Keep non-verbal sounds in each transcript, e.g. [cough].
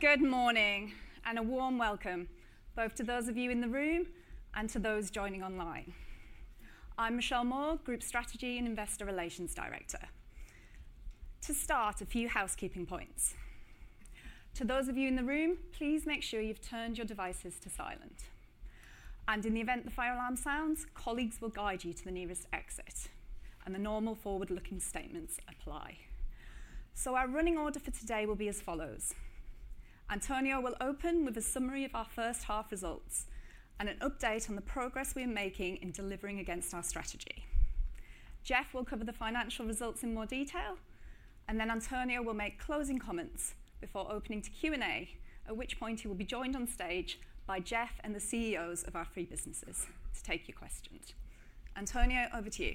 Good morning and a warm welcome both to those of you in the room and to those joining online. I'm Michelle Moore, Group Strategy and Investor Relations Director. To start, a few housekeeping points to those of you in the room. Please make sure you've turned your devices to silent, and in the event the fire alarm sounds, colleagues will guide you to the nearest exit. The normal forward-looking statements apply. Our running order for today will be as follows. António will open with a summary of our first half results and an update on the progress we are making in delivering against our strategy. Jeff will cover the financial results in more detail, and then António will make closing comments before opening to Q&A, at which point he will be joined on stage by Jeff and the CEOs of our three businesses to take your questions. António, over to you.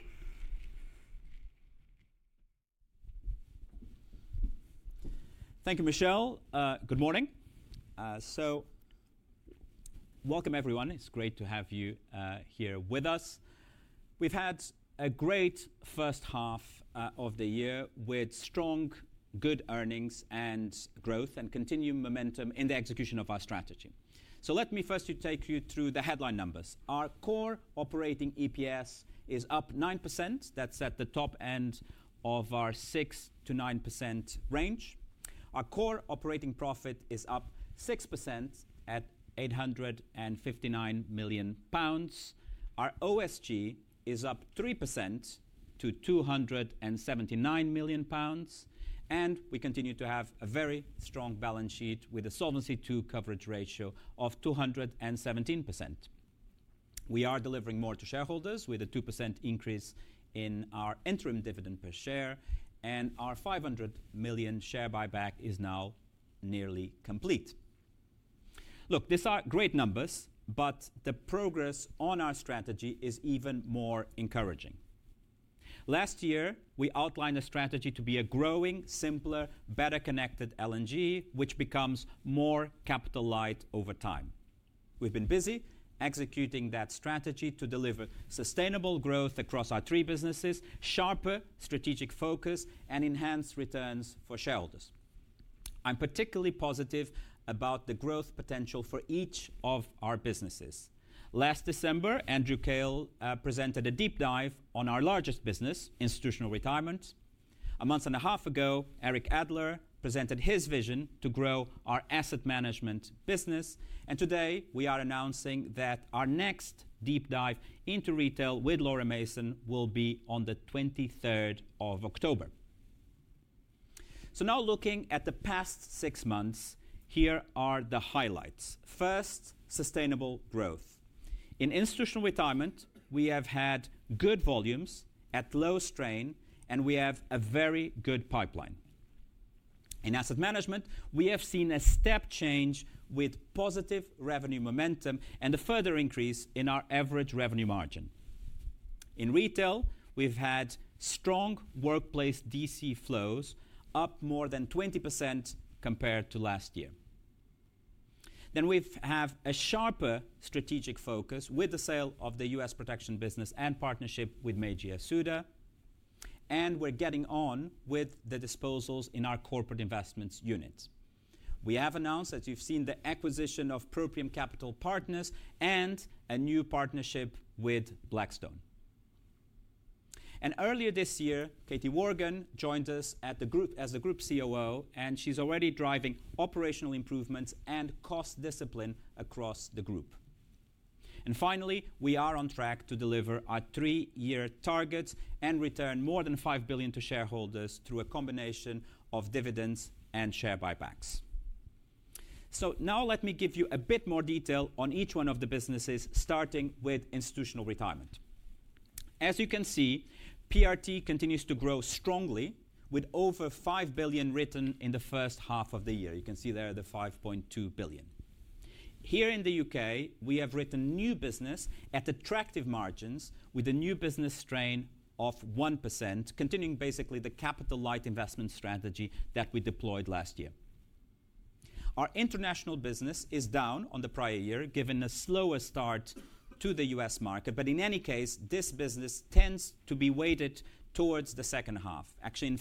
Thank you, Michelle. Good morning. Welcome, everyone. It's great to have you here with us. We've had a great first half of the year with strong earnings and growth and continued momentum in the execution of our strategy. Let me first take you through the headline numbers. Our core operating EPS is up 9%. That's at the top end of our 6%-9% range. Our core operating profit is up 6% at 859 million pounds. Our OSG is up 3% to 279 million pounds. We continue to have a very strong balance sheet with a Solvency II coverage ratio of 217%. We are delivering more to shareholders with a 2% increase in our interim dividend per share. Our 500 million share buyback is now nearly complete. These are great numbers, but the progress on our strategy is even more encouraging. Last year, we outlined a strategy to be a growing, simpler, better connected L&G which becomes more capital light over time. We've been busy executing that strategy to deliver sustainable growth across our three businesses, sharper strategic focus, and enhanced returns for shareholders. I'm particularly positive about the growth potential for each of our businesses. Last December, Andrew Kail presented a deep dive on our largest business, Institutional Retirement. A month and a half ago, Eric Adler presented his vision to grow our asset management business. Today, we are announcing that our next deep dive into retail with Laura Mason will be on the 23rd of October. Now, looking at the past six months, here are the highlights. First, sustainable growth. In Institutional Retirement, we have had good volumes at low strain and we have a very good pipeline. In asset management, we have seen a step change with positive revenue momentum and a further increase in our average revenue margin. In retail, we've had strong workplace DC flows up more than 20% compared to last year. We have a sharper strategic focus with the sale of the U.S. production business and partnership with Meiji Yasuda. We're getting on with the disposals in our Corporate Investments Unit. We have announced the acquisition of Proprium Capital Partners and a new partnership with Blackstone. Earlier this year, Katie Worgan joined us as the Group COO and she's already driving operational improvements and cost discipline across the group. We are on track to deliver our three-year target and return more than 5 billion to shareholders through a combination of dividends and share buybacks. Now let me give you a bit more detail on each one of the businesses, starting with Institutional Retirement. As you can see, PRT continues to grow strongly with over 5 billion written in the first half of the year. You can see there the 5.2 billion. Here in the U.K., we have written new business at attractive margins with a new business strain of 1%, continuing basically the capital-light investment strategy that we deployed last year. Our international business is down on the prior year, given a slower start to the U.S. market. In any case, this business tends to be weighted towards the second half, actually. In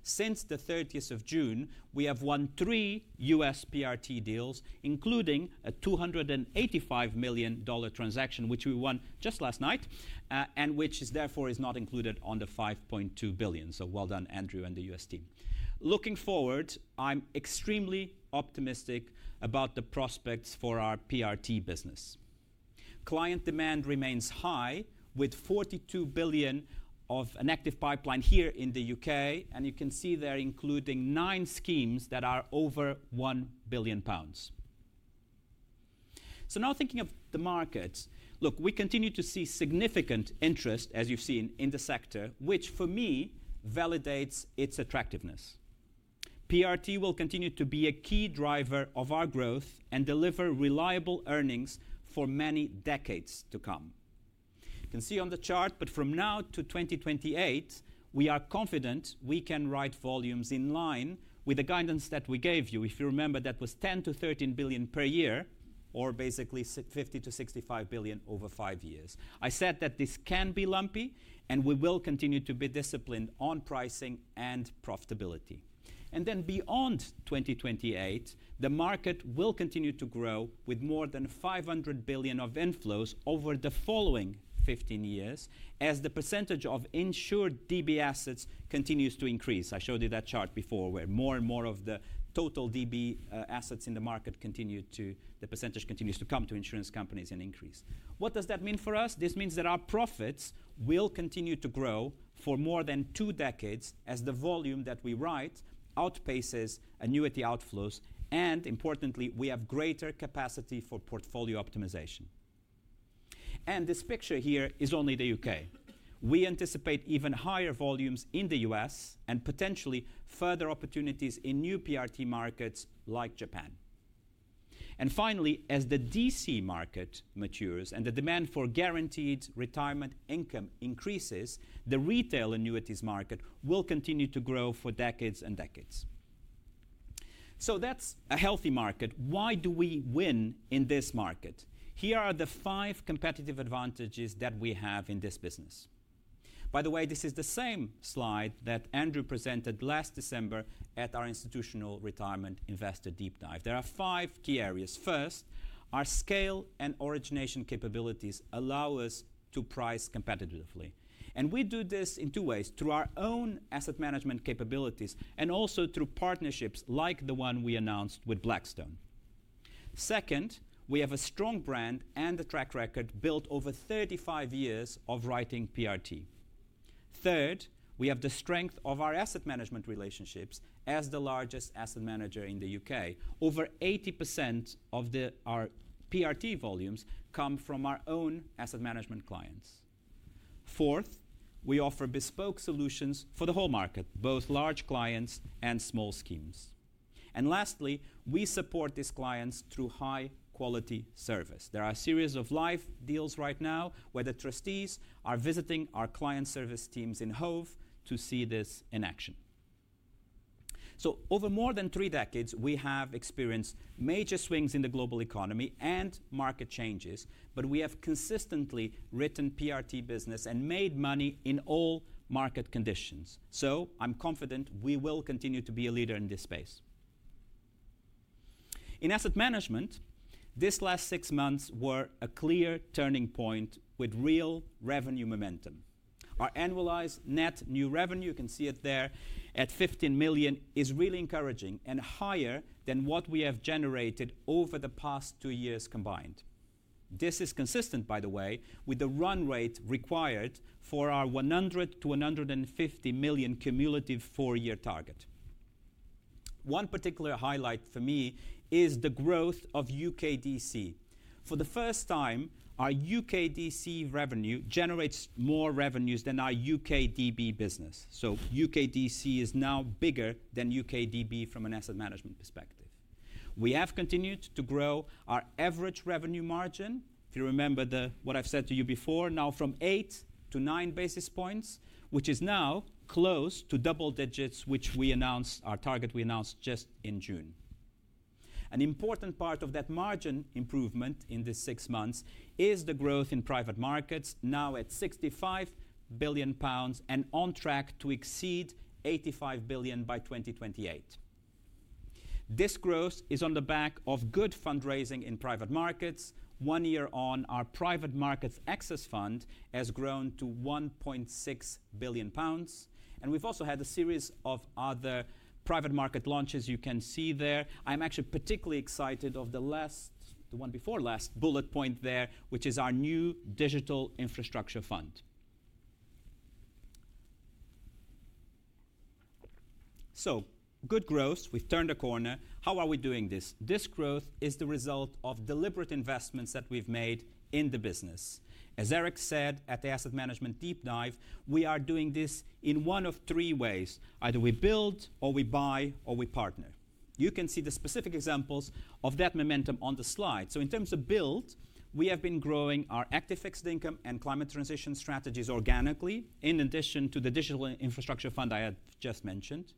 fact, since the 30th of June, we have won three U.S. PRT deals, including a $285 million transaction which we won just last night and which therefore is not included in the 5.2 billion. Well done Andrew and the U.S. team. Looking forward, I'm extremely optimistic about the prospects for our PRT business. Client demand remains high with 42 billion of an active pipeline here in the U.K., and you can see there including nine schemes that are over 1 billion pounds. Now thinking of the markets, we continue to see significant interest, as you've seen, in the sector, which for me validates its attractiveness. PRT will continue to be a key driver of our growth and deliver reliable earnings for many decades to come, you can see on the chart. From now to 2028, we are confident we can write volumes in line with the guidance that we gave you. If you remember, that was 10 billion-13 billion per year or basically 50 billion-65 billion over five years. I said that this can be lumpy and we will continue to be disciplined on pricing and profitability. Beyond 2028, the market will continue to grow with more than 500 billion of inflows over the following 15 years as the percentage of insured DB assets continues to increase. I showed you that chart before where more and more of the total DB assets in the market continue to, the percentage continues to come to insurance companies and increase. What does that mean for us? This means that our profits will continue to grow for more than two decades as the volume that we write outpaces annuity outflows. Importantly, we have greater capacity for portfolio optimization. This picture here is only the U.K. We anticipate even higher volumes in the U.S. and potentially further opportunities in new PRT markets like Japan. Finally, as the DC market matures and the demand for guaranteed retirement income increases, the retail annuities market will continue to grow for decades and decades. That is a healthy market. Why do we win in this market? Here are the five competitive advantages that we have in this business. By the way, this is the same slide that Andrew presented last December at our Institutional Retirement Investor Deep Dive. There are five key areas. First, our scale and origination capabilities allow us to price competitively. We do this in two ways: through our own asset management capabilities and also through partnerships like the one we announced with Blackstone. Second, we have a strong brand and a track record built over 35 years of writing PRT. Third, we have the strength of our asset management relationships. As the largest asset manager in the U.K., over 80% of our PRT volumes come from our own asset management clients. Fourth, we offer bespoke solutions for the whole market, both large clients and small schemes. Lastly, we support these clients through high quality service. There are a series of live deals right now where the trustees are visiting our client service teams in Hove to see this in action. Over more than three decades we have experienced major swings in the global economy and market changes. We have consistently written PRT business and made money in all market conditions. I am confident we will continue to be a leader in this space. In asset management, this last six months were a clear turning point with real revenue momentum. Our annualized net new revenue, you can see it there at 15 million, is really encouraging and higher than what we have generated over the past two years combined. This is consistent, by the way, with the run rate required for our 100 million-150 million cumulative four year target. One particular highlight for me is the growth of U.K. DC. For the first time, our U.K. DC revenue generates more revenues than our U.K. DB business. U.K. DC is now bigger than U.K. DB from an asset management perspective. We have continued to grow our average revenue margin, if you remember what I've said to you before now, from 8 to 9 basis points, which is now close to double digits, which we announced our target, we announced just in June. An important part of that margin improvement in this six months is the growth in private markets, now at 65 billion pounds and on track to exceed 85 billion by 2028. This growth is on the back of good fundraising in private markets. One year on, our private markets excess fund has grown to 1.6 billion pounds. We've also had a series of other private market launches you can see there. I'm actually particularly excited about the one before last bullet point there, which is our new Digital Infrastructure Fund. Good growth, we've turned a corner. How are we doing this? This growth is the result of deliberate investments that we've made in the business. As Eric said at the Asset Management Deep Dive, we are doing this in one of three ways. Either we build, or we buy, or we partner. You can see the specific examples of that momentum on the slide. In terms of build, we have been growing our active fixed income and climate transition strategies organically, in addition to the Digital Infrastructure Fund I just mentioned.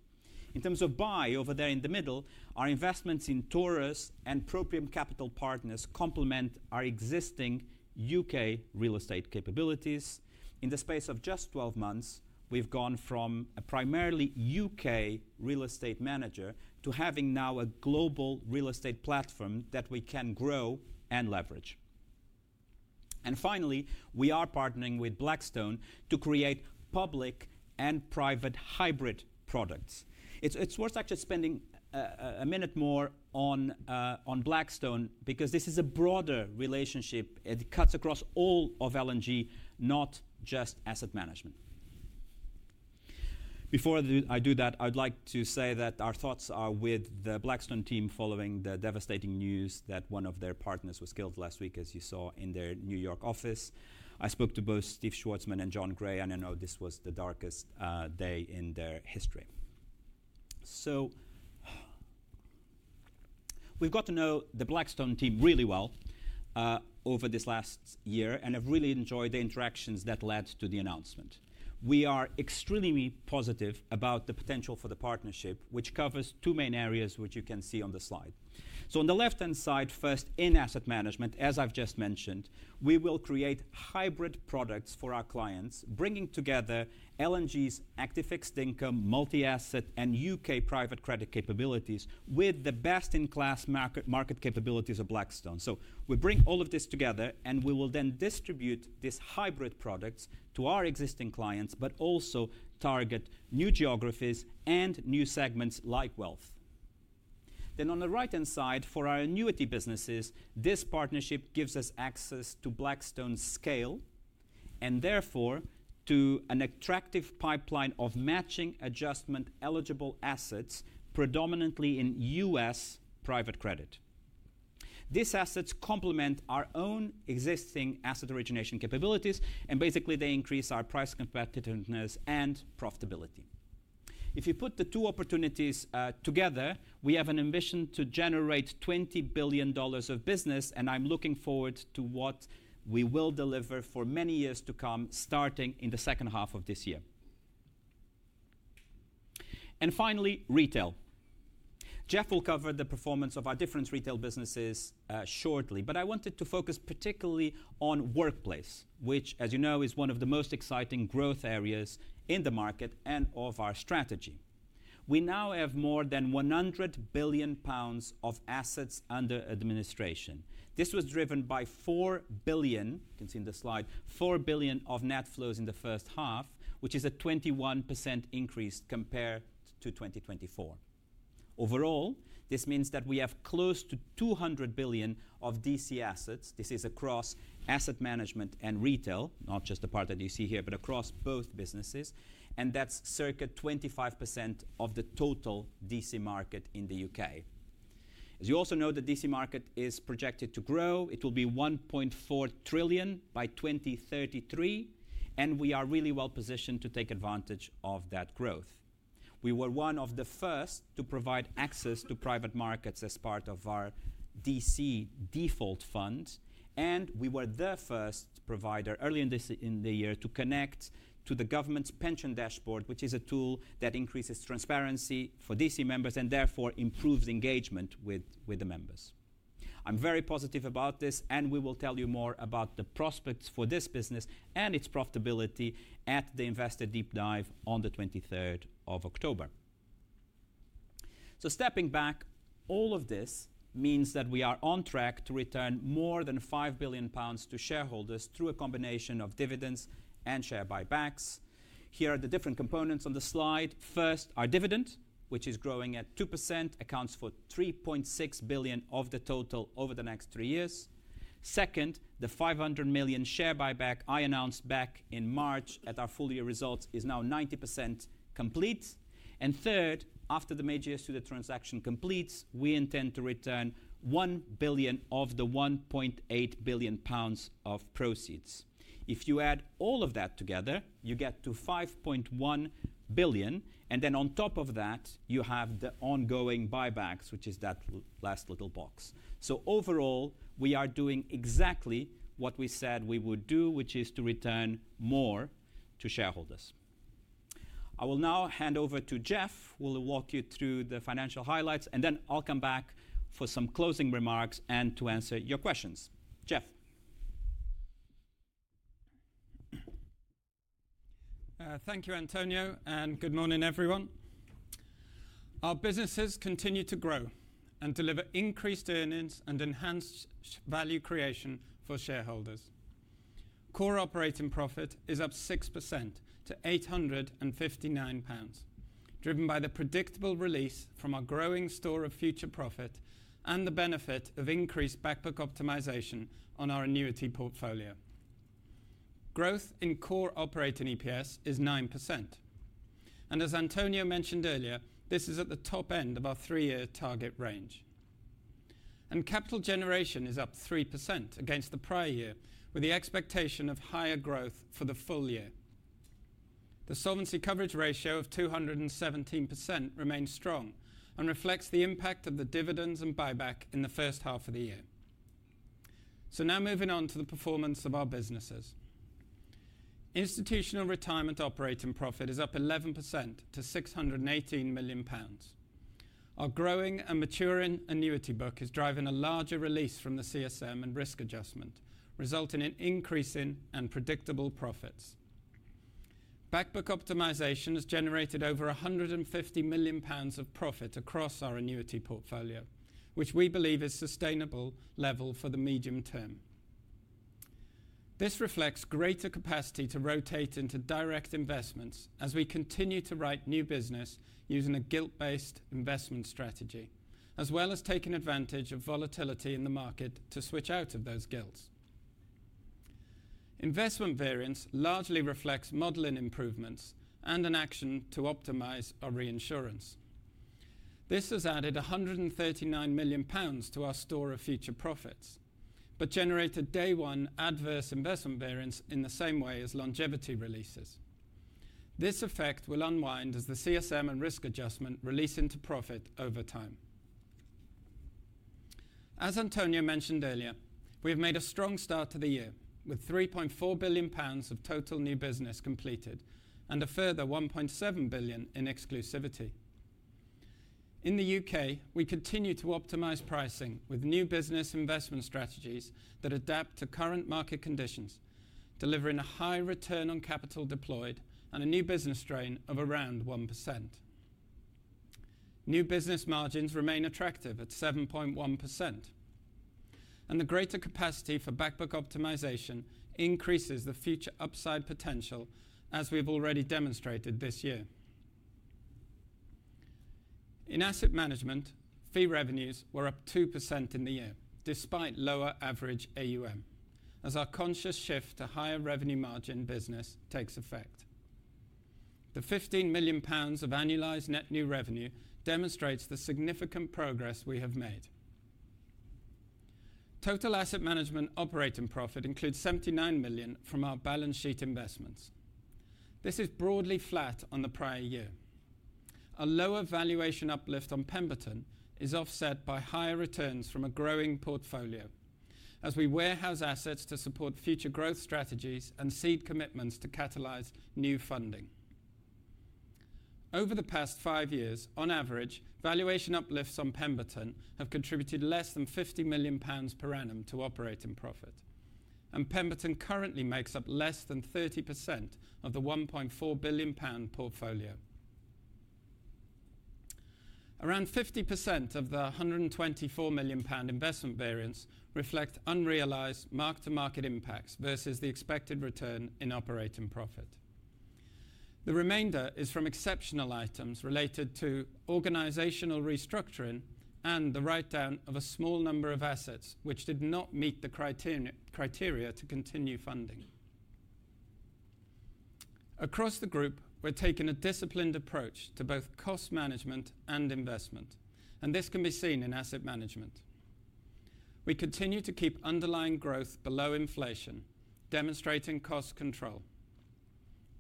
In terms of buy, over there in the middle, our investments in Taurus and Proprium Capital Partners complement our existing U.K. real estate capabilities. In the space of just 12 months, we've gone from a primarily U.K. real estate manager to having now a global real estate platform that we can grow and leverage. We are partnering with Blackstone to create public and private hybrid products. It's worth actually spending a minute more on Blackstone because this is a broader relationship. It cuts across all of L&G, not just asset management. Before I do that, I'd like to say that our thoughts are with the Blackstone team following the devastating news that one of their partners was killed last week. As you saw in their New York office, I spoke to both Steve Schwarzman and Jon Gray and I know this was the darkest day in their history. We've got to know the Blackstone team really well over this last year and have really enjoyed the interactions that led to the announcement. We are extremely positive about the potential for the partnership, which covers two main areas you can see on the slide. On the left hand side, first, in asset management, as I've just mentioned, we will create hybrid products for our clients, bringing together L&G's active fixed income, multi-asset, and U.K. private credit capabilities with the best-in-class market capabilities of Blackstone. We bring all of this together and we will then distribute these hybrid products to our existing clients, but also target new geographies and new segments like Wealth. On the right-hand side for our annuity businesses, this partnership gives us access to Blackstone scale and therefore to an attractive pipeline of matching adjustment eligible assets, predominantly in U.S. private credit. These assets complement our own existing asset origination capabilities and basically they increase our price competitiveness and profitability. If you put the two opportunities together, we have an ambition to generate $20 billion of business and I'm looking forward to what we will deliver for many years to come, starting in the second half of this year. Finally, retail. Jeff will cover the performance of our different retail businesses shortly. I wanted to focus particularly on workplace, which as you know, is one of the most exciting growth areas in the market and of our strategy. We now have more than 100 billion pounds of assets under administration. This was driven by 4 billion—you can see in the slide—GBP 4 billion of net flows in the first half, which is a 21% increase compared to 2024. Overall, this means that we have close to 200 billion of DC assets. This is across asset management and retail, not just the part that you see here, but across both businesses. That's circa 25% of the total DC market in the U.K. As you also know, the DC market is projected to grow. It will be 1.4 trillion by 2033 and we are really well-positioned to take advantage of that growth. We were one of the first to provide access to private markets as part of our DC default fund. We were the first provider early in the year to connect to the government's Pension Dashboard, which is a tool that increases transparency for DC members and therefore improves engagement with the members. I'm very positive about this and we will tell you more about the prospects for this business and its profitability at the investor deep dive on the 23rd of October. Stepping back, all of this means that we are on track to return more than 5 billion pounds to shareholders through a combination of dividends and share buybacks. Here are the different components on the slide. First, our dividend, which is growing at 2%, accounts for 3.6 billion of the total over the next three years. Second, the 500 million share buyback I announced back in March at our full year results is now 90% complete. Third, after the major student transaction completes, we intend to return 1 billion of the 1.8 billion pounds of proceeds. If you add all of that together, you get to 5.1 billion. On top of that, you have the ongoing buybacks, which is that last little box. Overall, we are doing exactly what we said we would do, which is to return more to shareholders. I will now hand over to Jeff, who will walk you through the financial highlights, and then I'll come back for some closing remarks and to answer your questions. Jeff. Thank you António and good morning everyone. Our businesses continue to grow and deliver increased earnings and enhance value creation for shareholders. Core operating profit is up 6% to 859 million pounds, driven by the predictable release from our growing store of future profit and the benefit of increased back book optimization on our annuity portfolio. Growth in core operating EPS is 9% and as António mentioned earlier, this is at the top end of our three-year target range and capital generation is up 3% against the prior year with the expectation of higher growth for the full year. The solvency coverage ratio of 217% remains strong and reflects the impact of the dividends and buyback in the first half of the year. Now moving on to the performance of our businesses, Institutional Retirement operating profit is up 11% to 618 million pounds. Our growing and maturing annuity book is driving a larger release from the CSM and risk adjustment, resulting in increasing and predictable profits. Back book optimization has generated over 150 million pounds of profit across our annuity portfolio, which we believe is a sustainable level for the medium term. This reflects greater capacity to rotate into direct investments as we continue to write new business using a gilt-based investment strategy as well as taking advantage of volatility in the market to switch out of those gilts. Investment variance largely reflects modeling improvements and an action to optimize our reinsurance. This has added 139 million pounds to our store of future profits but generated day one adverse investment variance in the same way as longevity releases. This effect will unwind as the CSM and risk adjustment release into profit over time. As António mentioned earlier, we have made a strong start to the year with 3.4 billion pounds of total new business completed and a further 1.7 billion in exclusivity. In the U.K. we continue to optimize pricing with new business investment strategies that adapt to current market conditions, delivering a high return on capital deployed and a new business strain of around 1%. New business margins remain attractive at 7.1% and the greater capacity for back book optimization increases the future upside potential as we have already demonstrated this year. In asset management, fee revenues were up 2% in the year despite lower average AUM as our conscious shift to higher revenue margin business takes effect. The 15 million pounds of annualized net new revenue demonstrates the significant progress we have made. Total asset management operating profit includes 79 million from our balance sheet investments. This is broadly flat on the prior year. A lower valuation uplift on Pemberton is offset by higher returns from a growing portfolio as we warehouse assets to support future growth strategies and seed commitments to catalyze new funding. Over the past five years, on average, valuation uplifts on Pemberton have contributed less than 50 million pounds per annum to operating profit, and Pemberton currently makes up less than 30% of the 1.4 billion pound portfolio. Around 50% of the 124 million pound investment variance reflects unrealized mark to market impacts versus the expected return in operating profit. The remainder is from exceptional items related to organizational restructuring and the write-down of a small number of assets which did not meet the criteria to continue funding. Across the group, we are taking a disciplined approach to both cost management and investment, and this can be seen in asset management. We continue to keep underlying growth below inflation, demonstrating cost control.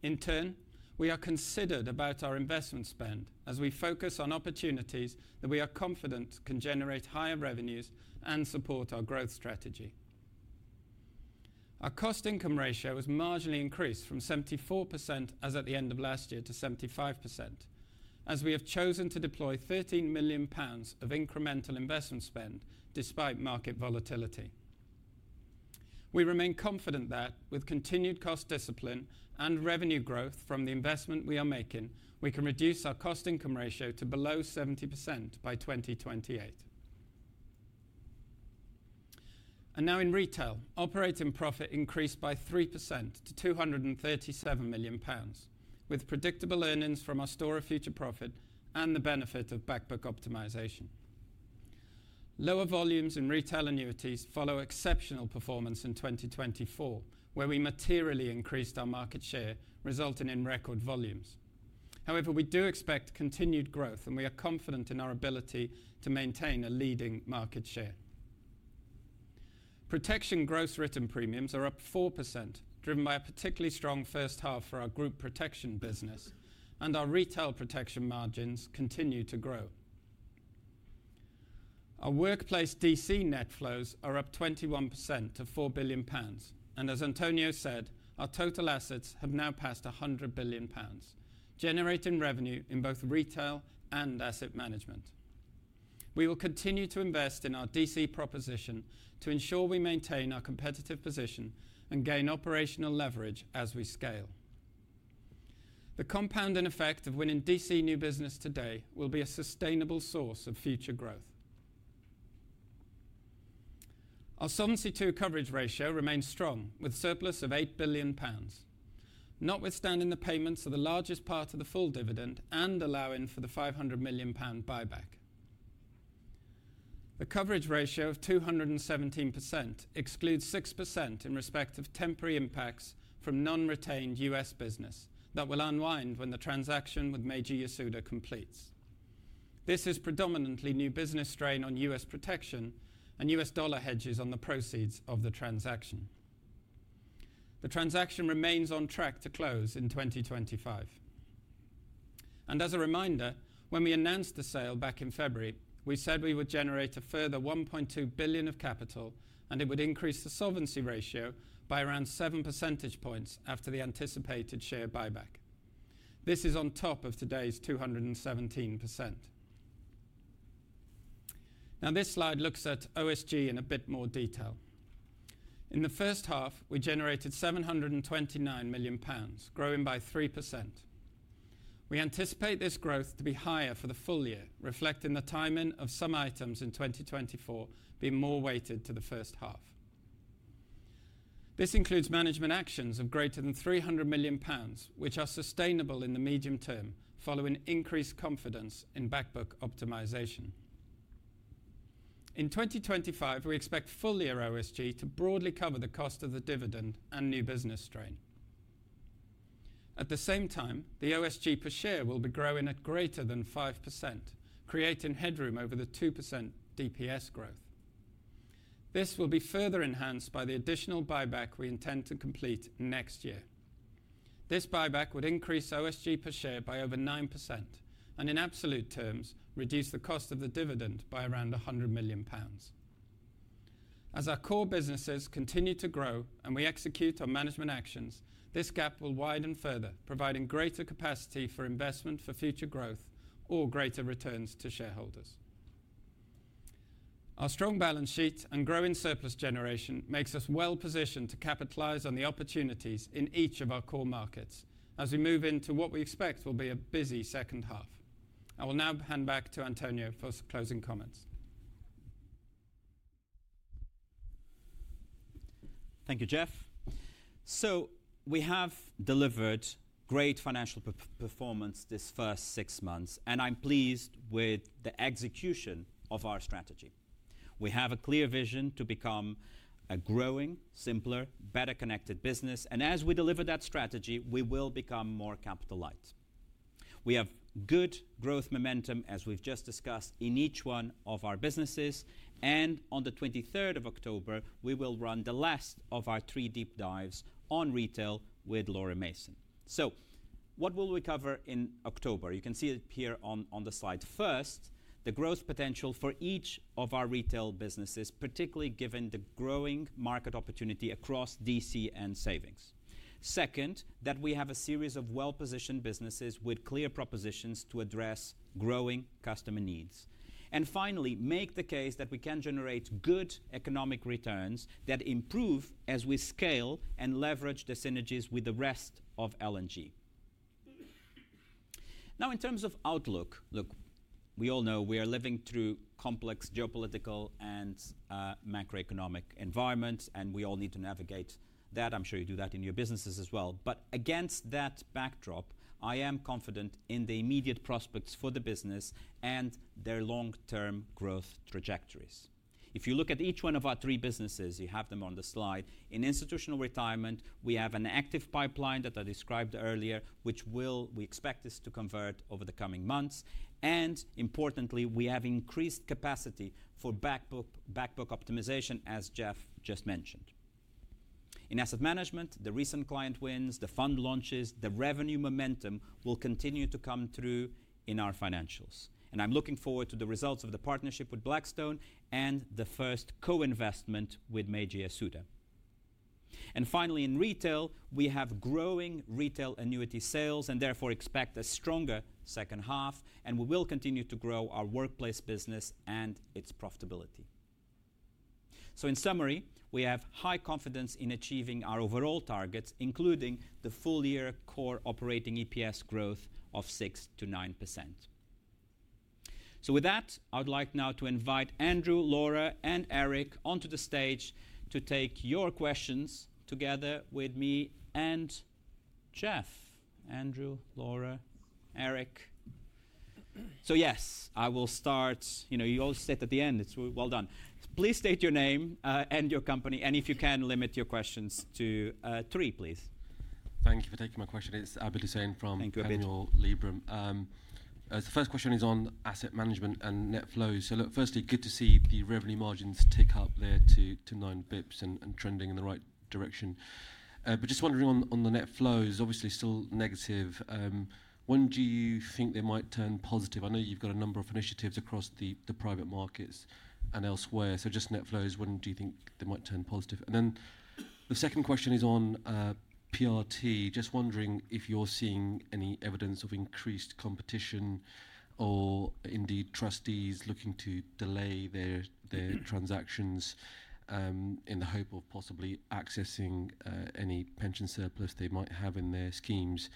In turn, we are considered about our investment spend as we focus on opportunities that we are confident can generate higher revenues and support our growth strategy. Our cost income ratio has marginally increased from 74% as at the end of last year to 75% as we have chosen to deploy 13 million pounds of incremental investment spend despite market volatility. We remain confident that with continued cost discipline and revenue growth from the investment we are making, we can reduce our cost income ratio to below 70% by 2028. In retail, operating profit increased by 3% to 237 million pounds, with predictable earnings from our store of future profit and the benefit of back book optimization. Lower volumes in retail annuities follow exceptional performance in 2024 where we materially increased our market share, resulting in record volumes. We do expect continued growth and we are confident in our ability to maintain a leading market share. Protection gross written premiums are up 4%, driven by a particularly strong first half for our group protection business, and our retail protection margins continue to grow. Our workplace DC net flows are up 21% to 4 billion pounds and as António said, our total assets have now passed 100 billion pounds, generating revenue in both retail and asset management. We will continue to invest in our DC proposition to ensure we maintain our competitive position and gain operational leverage as we scale. The compounding effect of winning DC new business today will be a sustainable source of future growth. Our Solvency II coverage ratio remains strong with surplus of 8 billion pounds, notwithstanding the payments of the largest part of the full dividend and allowing for the 500 million pound buyback. A coverage ratio of 217% excludes 6% in respect of temporary impacts from non-retained U.S. business that will unwind when the transaction with Meiji Yasuda completes. This is predominantly new business strain on U.S. protection and U.S. dollar hedges on the proceeds of the transaction. The transaction remains on track to close in 2025. As a reminder, when we announced the sale back in February, we said we would generate a further 1.2 billion of capital and it would increase the solvency ratio by around 7 percentage points after the anticipated share buyback. This is on top of today's 217%. Now this slide looks at OSG in a bit more detail. In the first half, we generated 729 million pounds, growing by 3%. We anticipate this growth to be higher for the full year, reflecting the timing of some items in 2024 being more weighted to the first half. This includes management actions of greater than 300 million pounds, which are sustainable in the medium term following increased confidence in back book optimization. In 2025, we expect full year OSG to broadly cover the cost of the dividend and new business strain. At the same time, the OSG per share will be growing at greater than 5%, creating headroom over the 2% DPS growth. This will be further enhanced by the additional buyback we intend to complete next year. This buyback would increase OSG per share by over 9% and in absolute terms reduce the cost of the dividend by around 100 million pounds. As our core businesses continue to grow and we execute on management actions, this gap will widen further, providing greater capacity for investment, for future growth or greater returns to shareholders. Our strong balance sheet and growing surplus generation make us well-positioned to capitalize on the opportunities in each of our core markets as we move into what we expect will be a busy second half. I will now hand back to António for closing comments. Thank you, Jeff. We have delivered great financial performance this first six months and I'm pleased with the execution of our strategy. We have a clear vision to become a growing, simpler, better connected business. As we deliver that strategy, we will become more capital light. We have good growth momentum, as we've just discussed, in each one of our businesses. On the 23rd of October, we will run the last of our three deep dives on retail with Laura Mason. What will we cover in October? You can see it here on the slide. First, the growth potential for each of our retail businesses, particularly given the growing market opportunity across DC and savings. Second, that we have a series of well-positioned businesses with clear propositions to address growing customer needs, and finally make the case that we can generate good economic returns that improve as we scale and leverage the synergies with the rest of L&G. Now in terms of outlook, we all know we are living through complex geopolitical and macroeconomic environments and we all need to navigate that. I'm sure you do that in your businesses as well. Against that backdrop, I am confident in the immediate prospects for the business and their long-term growth trajectories. If you look at each one of our three businesses, you have them on the slide. In Institutional Retirement, we have an active pipeline that I described earlier, which we expect to convert over the coming months, and importantly, we have increased capacity for back book optimization as Jeff just mentioned. In asset management, the recent client wins, the fund launches, the revenue momentum will continue to come through in our financials and I'm looking forward to the results of the partnership with Blackstone and the first co-investment with Meiji Yasuda. Finally, in retail, we have growing retail annuity sales and therefore expect a stronger second half and we will continue to grow our workplace business and its profitability. In summary, we have high confidence in achieving our overall targets, including the full year core operating EPS growth of 6%-9%. With that, I'd like now to invite Andrew, Laura, and Eric onto the stage to take your questions together with me and Jeff. Andrew, Laura, Eric. I will start. You all sit at the end. It's well done. Please state your name and your company and if you can limit your questions to three, please. Thank you for taking my question. It's Abid Hussain from Panmure Liberum. The first question is on asset management and net flows. Firstly, good to see the revenue margins tick up there to 9 basis points and trending in the right direction. Just wondering on the net flows, obviously still negative, when do you think they might turn positive? I know you've got a number of initiatives across the private markets and elsewhere, just net flows, when do you think they might turn positive? The second question is on PRT. Just wondering if you're seeing any evidence of increased competition or indeed trustees looking to delay their transactions in the hope of possibly accessing any pension surplus they might have in their schemes?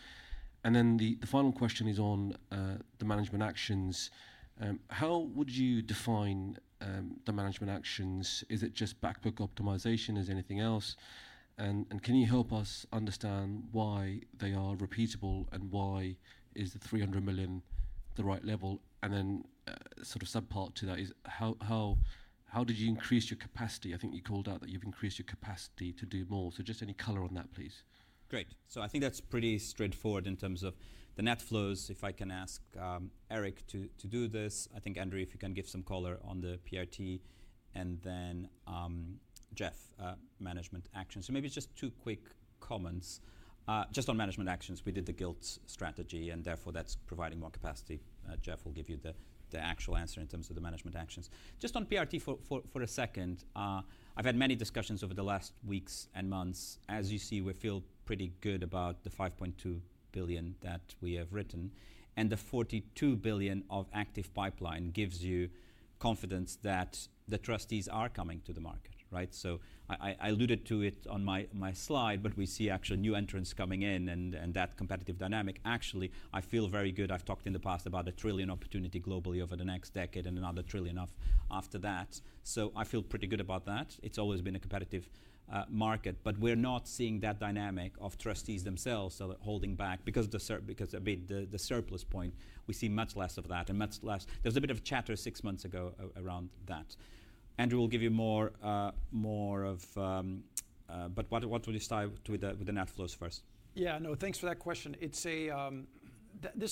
The final question is on the management actions. How would you define the management actions? Is it just back book optimization? Is anything else? Can you help us understand why they are repeatable, and why is the $300 million the right level? How did you increase your capacity? I think you called out that you've increased your capacity to do more. So just any color on that, please. Great. I think that's pretty straightforward in terms of the net flows. If I can ask Eric to do this. I think Andrew, if you can give some color on the PRT and then Jeff management action. Maybe it's just two quick comments just on management actions. We did the gilt strategy and therefore that's providing more capacity. Jeff will give you the actual answer in terms of the management actions. Just on PRT for a second. I've had many discussions over the last weeks and months. As you see, we feel pretty good about the 5.2 billion that we have written and the 42 billion of active pipeline gives you confidence that the trustees are coming to the market. I alluded to it on my slide. We see actually new entrants coming in and that competitive dynamic actually I feel very good. I've talked in the past about a 1 trillion opportunity globally over the next decade and another 1 trillion after that. I feel pretty good about that. It's always been a competitive market. We're not seeing that dynamic of trustees themselves holding back because of the surplus point. We see much less of that and much less. There was a bit of chatter six months ago around that. Andrew will give you more of that. Will you start with the net flows first? Yeah, no, thanks for that question. This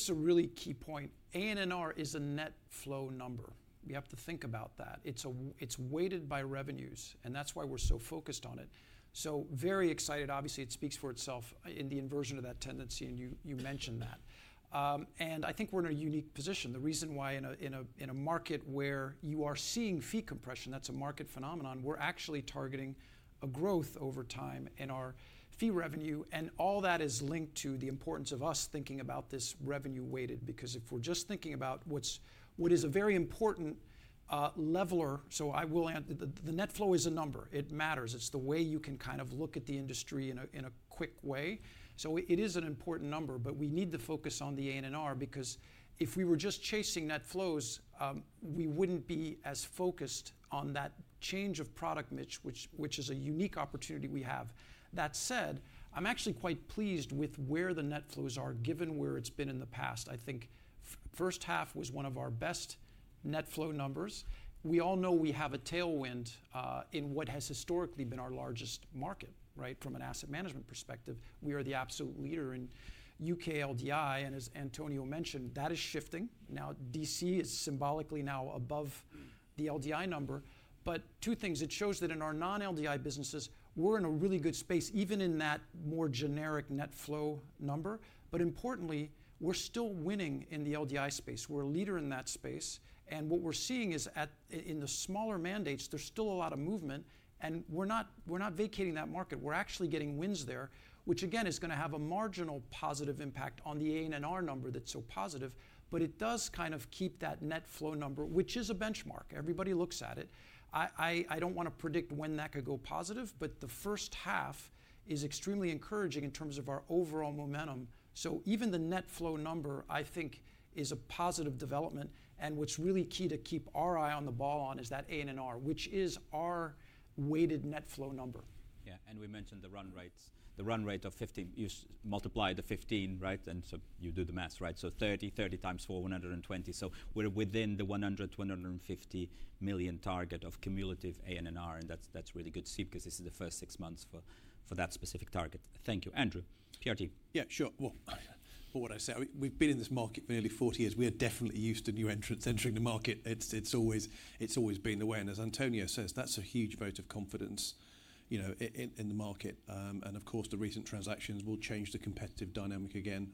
is a really key point. ANNR is a net flow number. We have to think about that. It's weighted by revenues, and that's why we're so focused on it. Very excited. Obviously, it speaks for itself in the inversion of that tendency. You mentioned that. I think we're in a unique position. The reason why in a market where you are seeing fee compression, that's a market phenomenon, we're actually targeting a growth over time in our fee revenue, and all that is linked to the importance of us thinking about this revenue weighted. If we're just thinking about what's a very important leveler, I will answer. The net flow is a number. It matters. It's the way you can kind of look at the industry in a quick way. It is an important number, but we need to focus on the ANNR because if we were just chasing net flows, we wouldn't be as focused on that change of product niche, which is a unique opportunity we have. That said, I'm actually quite pleased with where the net flows are, given where it's been in the past. I think first half was one of our best net flow numbers. We all know we have a tailwind in what has historically been our largest market. Right. From an asset management perspective, we are the absolute leader in U.K. LDI. As António mentioned, that is shifting now. DC is symbolically now above the LDI number. Two things. It shows that in our non-LDI businesses, we're in a really good space even in that more generic net flow number. Importantly, we're still winning in the LDI space. We're a leader in that space, and what we're seeing is in the smaller mandates, there's still a lot of movement, and we're not vacating that market. We're actually getting wins there, which again is going to have a marginal positive impact on the ANNR number. That's so positive, but it does kind of keep that net flow number, which is a benchmark. Everybody looks at it. I don't want to predict when that could go positive, but the first half is extremely encouraging in terms of our overall momentum. Even the net flow number, I think, is a positive development. What's really key to keep our eye on the ball on is that ANNR, which is our weighted net flow number. Yeah. We mentioned the run rates. The run rate of 15. You multiply the 15. Right. You do the maths. Right. 30, 30 times four, 120. We're within the 100 million-250 million target of cumulative ANNR. That's really good to see because this is the first six months for that specific target. Thank you, Andrew. PRT. Yeah, sure. For what I say, we've been in this market for nearly 40 years. We are definitely used to new entrants entering the market. It's always been the way. As António says, that's a huge vote of confidence in the market. Of course, the recent transactions will change the competitive dynamic again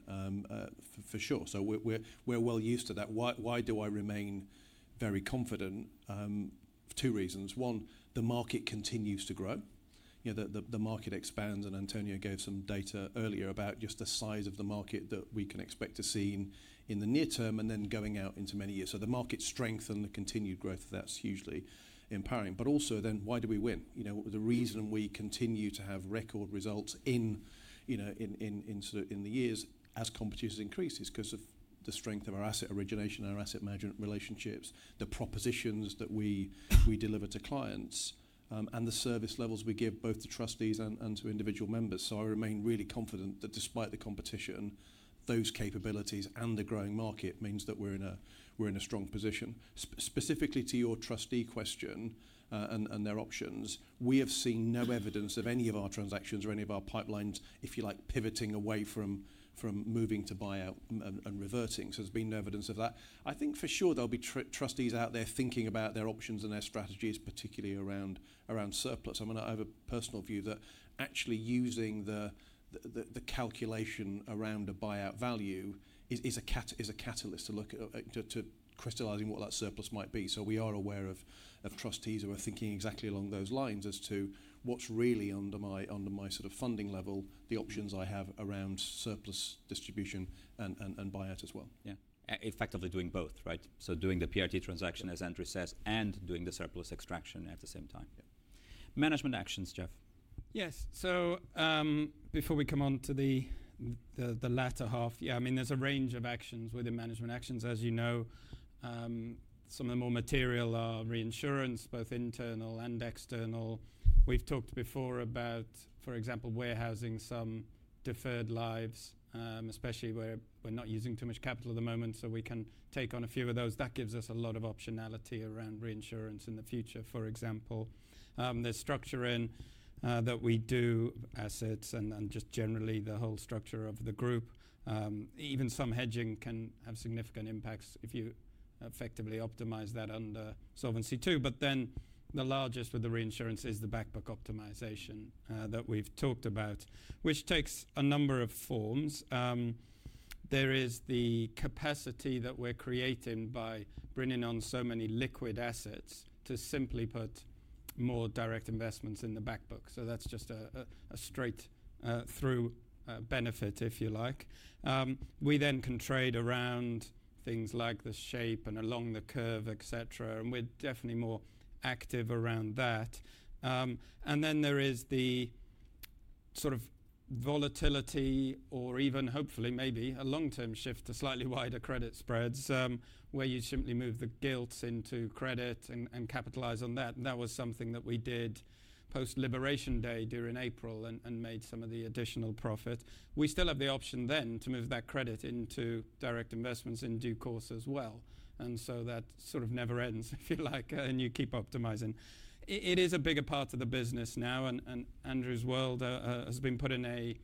for sure. We're well used to that. Why do I remain very confident? For two reasons. One, the market continues to grow, the market expands, and António gave some data earlier about just the size of the market that we can expect to see in the near term and then going out into many years. The market strength and the continued growth, that's hugely empowering. Also, why do we win? The reason we continue to have record results in the years as competition increases is because of the strength of our asset origination, our asset management relationships, the propositions that we deliver to clients, and the service levels we give both to trustees and to individual members. I remain really confident that despite the competition, those capabilities and the growing market mean that we're in a strong position. Specifically to your trustee question and their options, we have seen no evidence of any of our transactions or any of our pipelines, if you like, pivoting away from moving to buyout and reverse. There's been no evidence of that. I think for sure there'll be trustees out there thinking about their options and their strategies, particularly around surplus. I have a personal view that actually using the calculation around a buyout value is a catalyst to look to crystallizing what that surplus might be. We are aware of trustees who are thinking exactly along those lines as to what's really under my sort of funding level, the options I have around surplus, distribution, and buyout, as well. Effectively doing both. Right. Doing the PRT transaction, as Andrew says, and doing the surplus extraction at the same time. Management actions, Jeff. Yes. Before we come on to the latter half, there's a range of actions within management actions. As you know, some of the more material are reinsurance, both internal and external. We've talked before about, for example, warehousing some deferred lives, especially where we're not using too much capital at the moment, so we can take on a few of those. That gives us a lot of optionality around reinsurance in the future. For example, there's structure in that we do assets and then just generally the whole structure of the group, even some hedging, can have significant impacts if you effectively optimize that under Solvency II. The largest with the reinsurance is the back book optimization that we've talked about, which takes a number of forms. There is the capacity that we're creating by bringing on so many liquid assets to simply put more direct investments in the back book. That's just a straight through benefit, if you like. We then can trade around things like the shape and along the curve, etc. We're definitely more active around that. There is the sort of volatility or even hopefully maybe a long-term shift to slightly wider credit spreads where you simply move the gilts into credit and capitalize on that. That was something that we did post-Liberation Day during April and made some of the additional profit. We still have the option then to move that credit into direct investments in due course as well. That sort of never ends, if you like, and you keep optimizing. It is a bigger part of the business now and Andrew's world has been put in a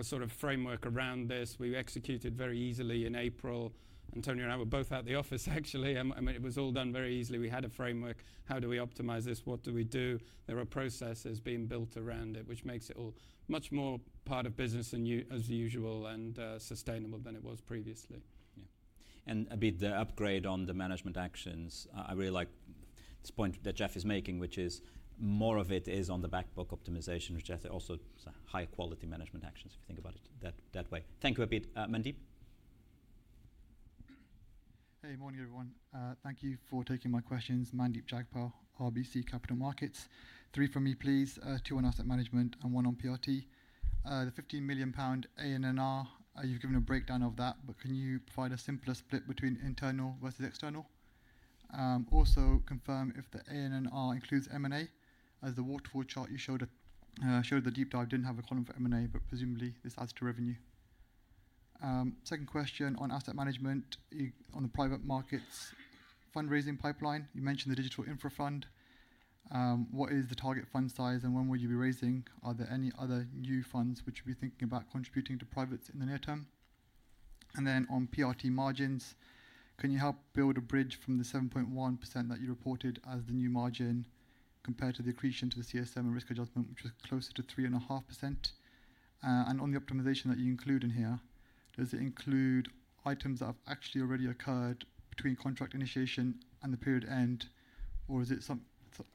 sort of framework around this. We executed very easily. In April, António and I were both at the office actually. It was all done very easily. We had a framework. How do we optimize this? What do we do? There are processes being built around it, which makes it all much more part of business as usual and sustainable than it was previously. Yeah, and Abid, the upgrade on the management actions. I really like this point that Jeff is making, which is more of it is on the back book optimization, which also high quality management actions if you think about it that way. Thank you, Abid. Mandeep. Hey, morning everyone. Thank you for taking my questions. Mandeep Jagpal, RBC Capital Markets. Three for me please. Two on asset management and one on PRT. The 15 million pound ANNR, you've given a breakdown of that, but can you provide a simpler split between internal versus external? Also confirm if the ANNR includes M&A as the waterfall chart you showed in the deep dive didn't have a column for M&A, but presumably this adds to revenue. Second question on asset management, on the private markets fundraising pipeline, you mentioned the Digital Infra Fund. What is the target fund size and when will you be raising? Are there any other new funds which you'll be thinking about contributing to privates in the near term? On PRT margins, can you help build a bridge from the 7.1% that you reported as the new margin compared to the accretion to the CSM risk adjustment which was closer to 3.5%? On the optimization that you include in here, does it include items that have actually already occurred between contract initiation and the period end?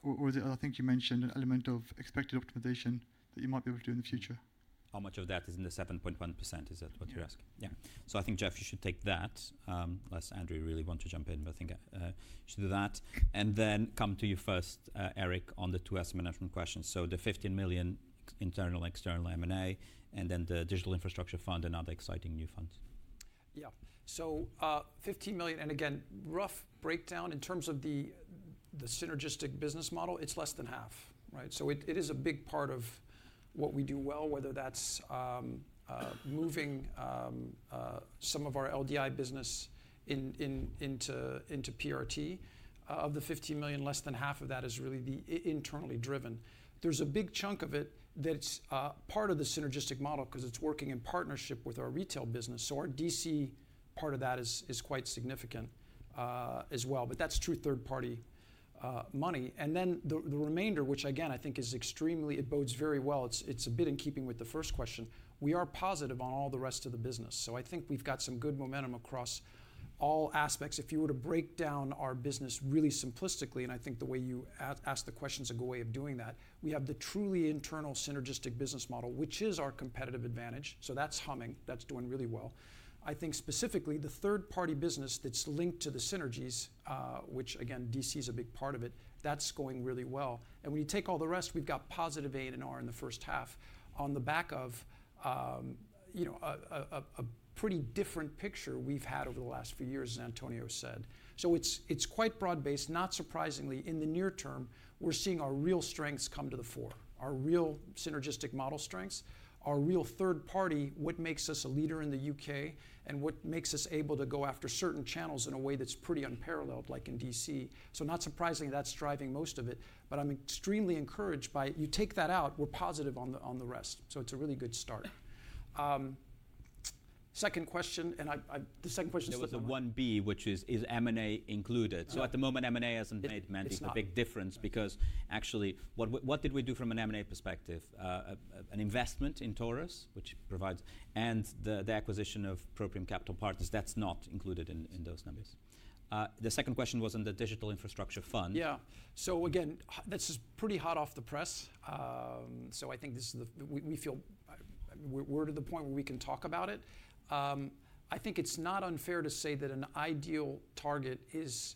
Or is it, I think you mentioned an element of expected optimization that you might be able to do in the future. How much of that is in the 7.1%? Is that what you ask? Yeah. I think Jeff, you should take that. Unless Andrew really wants to jump in, but I think you should do that and then come to you first, Eric, on the two estimate questions. The 15 million internal external M&A and then the Digital Infrastructure Fund, another exciting new fund. 15 million and again, rough breakdown in terms of the synergistic business model. It's less than half, right. It is a big part of what we do, whether that's moving some of our LDI business into PRT. Of the 50 million, less than half of that is really the internally driven. There's a big chunk of it that's part of the synergistic model because it's working in partnership with our retail business. Our DC part of that is quite significant as well. That's true third-party money and then the remainder, which again I think is extremely, it bodes very well. It's a bit in keeping with the first question. We are positive on all the rest of the business so I think we've got some good momentum across all aspects. If you were to break down our business really simplistically, and I think the way you ask the questions is a good way of doing that, we have the truly internal synergistic business model, which is our competitive advantage. That's humming, that's doing really well. I think specifically the third-party business that's linked to the synergies, which again DC is a big part of, that's going really well. When you take all the rest, we've got positive [ANNR] in the first half on the back of a pretty different picture we've had over the last few years, as António said. It's quite broad-based. Not surprisingly, in the near term we're seeing our real strengths come to the fore, our real synergistic model strengths, our real third-party. What makes us a leader in the U.K. and what makes us able to go after certain channels in a way that's pretty unparalleled, like in DC. Not surprising that's driving most of it, but I'm extremely encouraged by, take that out, we're positive on the rest. It's a really good start. Second question and I. There was a 1B, which is, is M&A included? At the moment, M&A hasn't made much of a big difference because actually, what did we do from an M&A perspective? An investment in Taurus, which provides, and the acquisition of Proprium Capital Partners. That's not included in those numbers. The second question was on the Digital Infrastructure Fund. Yeah. That's pretty hot off the press. I think this is the point where we can talk about it. I think it's not unfair to say that an ideal target is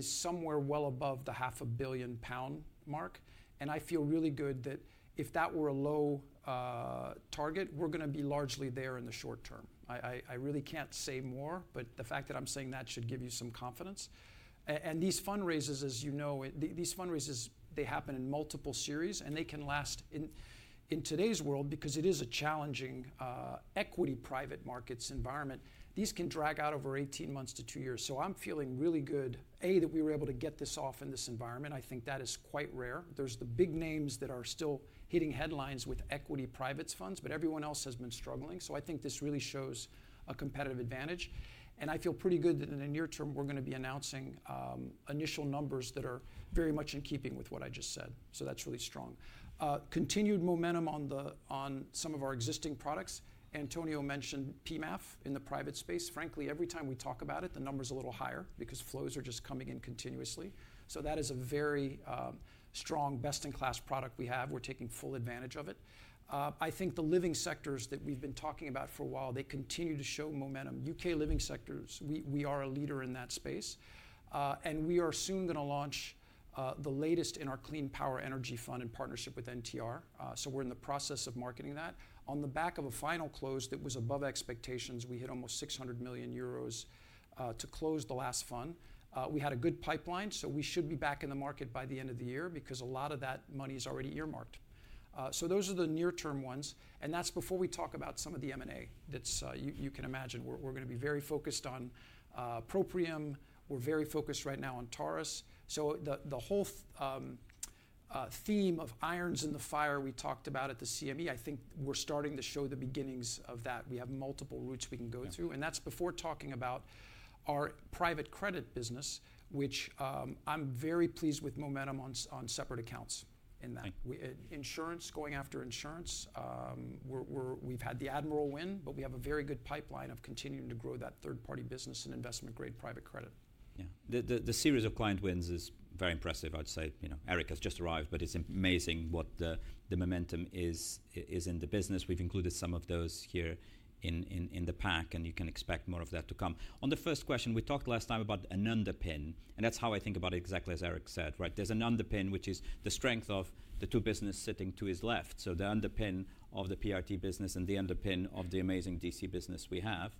somewhere well above the 500 million pound mark, and I feel really good that if that were a low target, we're going to be largely there in the short-term. I really can't say more, but the fact that I'm saying that should give you some confidence. These fundraisers, as you know, happen in multiple series and they can last in today's world because it is a challenging equity private markets environment. These can drag out over 18 months to two years. I'm feeling really good that we were able to get this off in this environment. I think that is quite rare. There are the big names that are still hitting headlines with equity private funds, but everyone else has been struggling. I think this really shows a competitive advantage, and I feel pretty good that in the near term we're going to be announcing initial numbers that are very much in keeping with what I just said. That's really strong. Continued momentum on some of our existing products. António mentioned PMAF in the private space. Frankly, every time we talk about it, the number's a little higher because flows are just coming in continuously. That is a very strong best-in-class product we have. We're taking full advantage of it. I think the living sectors that we've been talking about for a while continue to show momentum. U.K. living sectors, we are a leader in that space, and we are soon going to launch the latest in our Clean Power Energy Fund in partnership with NTR. We're in the process of marketing that on the back of a final close that was above expectations. We hit almost 600 million euros to close the last fund. We had a good pipeline, so we should be back in the market by the end of the year because a lot of that money is already earmarked. Those are the near term ones. That's before we talk about some of the M&A. You can imagine we're going to be very focused on Proprium. We're very focused right now on Taurus. The whole theme of irons in the fire we talked about at the CME, I think we're starting to show the beginnings of that. We have multiple routes we can go through, and that's before talking about our private credit business, which I'm very pleased with. Momentum on separate accounts in that insurance, going after insurance. We've had the Admiral win, but we have a very good pipeline of continuing to grow that third-party business and investment grade private credit. Yeah, the series of client wins is very impressive. I'd say Eric has just arrived, but it's amazing what the momentum is in the business. We've included some of those here in the pack, and you can expect more of that to come. On the first question, we talked last time about an underpin, and that's how I think about it. Exactly as Eric said, there's an underpin, which is the strength of the two businesses sitting to his left. The underpin of the PRT business and the underpin of the amazing DC business we have.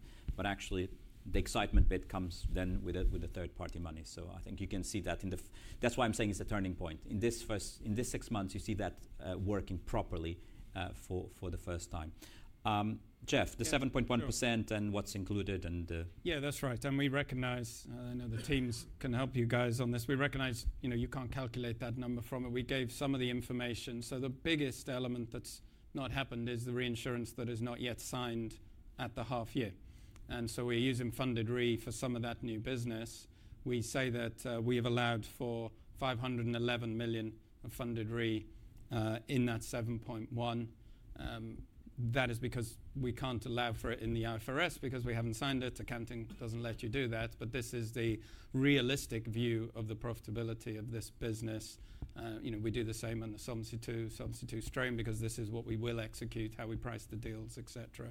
Actually, the excitement bit comes then with the third-party money. I think you can see that. That's why I'm saying it's a turning point in this six months. You see that working properly for the first time, Jeff, the 7.1% and what's included. Yeah, that's right. We recognize, I know the teams can help you guys on this. We recognize you can't calculate that number from it. We gave some of the information. The biggest element that's not happened is the reinsurance that is not yet signed at the half year. We're using funded RE for some of that new business. We say that we have allowed for 511 million of funded RE in that 7.1 billion. That is because we can't allow for it in the IFRS because we haven't signed it. Accounting doesn't let you do that. This is the realistic view of the profitability of this business. We do the same on the Solvency II, Solvency II strobe, because this is what we will execute, how we price the deals, etc.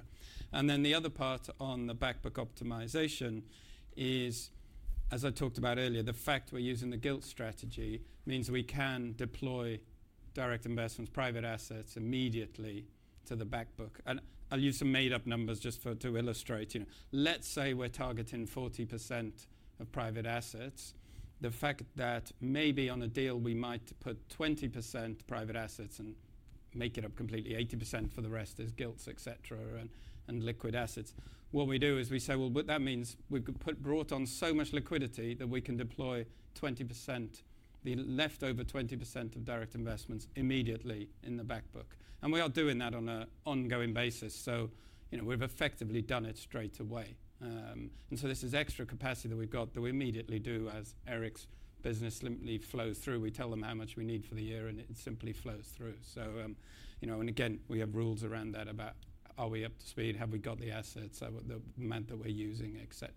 The other part on the back book optimization is, as I talked about earlier, the fact we're using the gilt strategy means we can deploy direct investments, private assets immediately to the back book. I'll use some made up numbers just to illustrate. Let's say we're targeting 40% of private assets. The fact that maybe on a deal we might put 20% private assets and make it up completely, 80% for the rest is gilts, etc. and liquid assets. What we do is we say that means we brought on so much liquidity that we can deploy 20%, the leftover 20% of direct investments immediately in the back book. We are doing that on an ongoing basis. We've effectively done it straight away. This is extra capacity that we've got that we immediately do as Eric's business simply flows through. We tell them how much we need for the year and it simply flows through. We have rules around that about are we up to speed, have we got the assets, the amount that we're using, etc.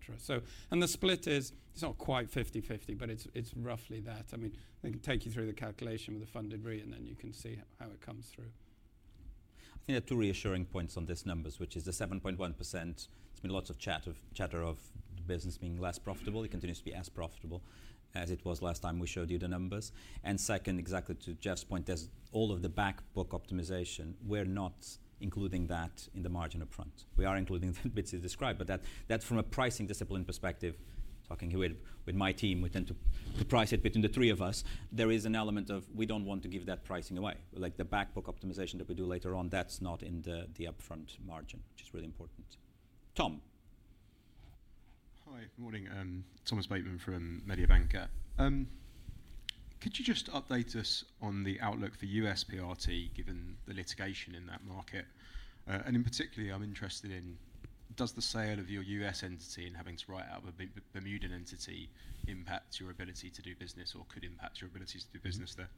The split is it's not quite 50/50, but it's roughly that. I can take you through the calculation with the funded RE and then you can see how it comes through. I think there are two reassuring points on these numbers, which is the 7.1%. There's been lots of chatter of business being less profitable. It continues to be as profitable as it was last time we showed you the numbers. Second, exactly to Jeff's point, there's all of the back book optimization. We're not including that in the margin upfront. We are including the bits you described. That's from a pricing discipline perspective. Talking with my team, we tend to price it between the three of us. There is an element of we don't want to give that pricing away like the back book optimization that we do later on. That's not in the upfront margin, which is really important. Tom. Hi, morning. Thomas Bateman from Mediobanca. Could you just update us on the outlook for U.S. PRT given the litigation in that market? In particular, I'm interested in does the sale of your U.S. entity and having to write out a Bermuda entity impact your ability to do business or could impact your ability to do business there?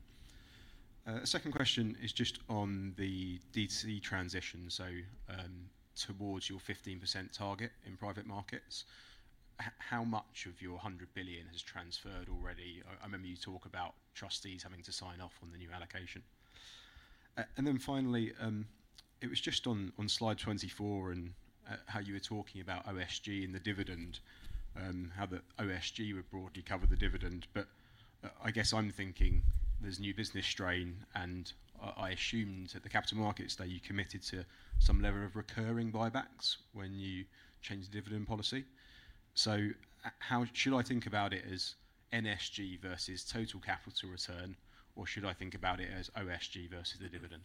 Second question is just on the DC transition. Towards your 15% target in private markets, how much of your 100 billion has transferred already? I remember you talk about trustees having to sign off on the new allocation. Finally, it was just on slide 24 and how you were talking about OSG and the dividend, how the OSG would broadly cover the dividend. I guess I'm thinking there's new business strain and I assumed at the capital markets that you committed to some level of recurring buybacks when you change the dividend policy. How should I think about it as OSG versus total capital return or should I think about it as OSG versus the dividend?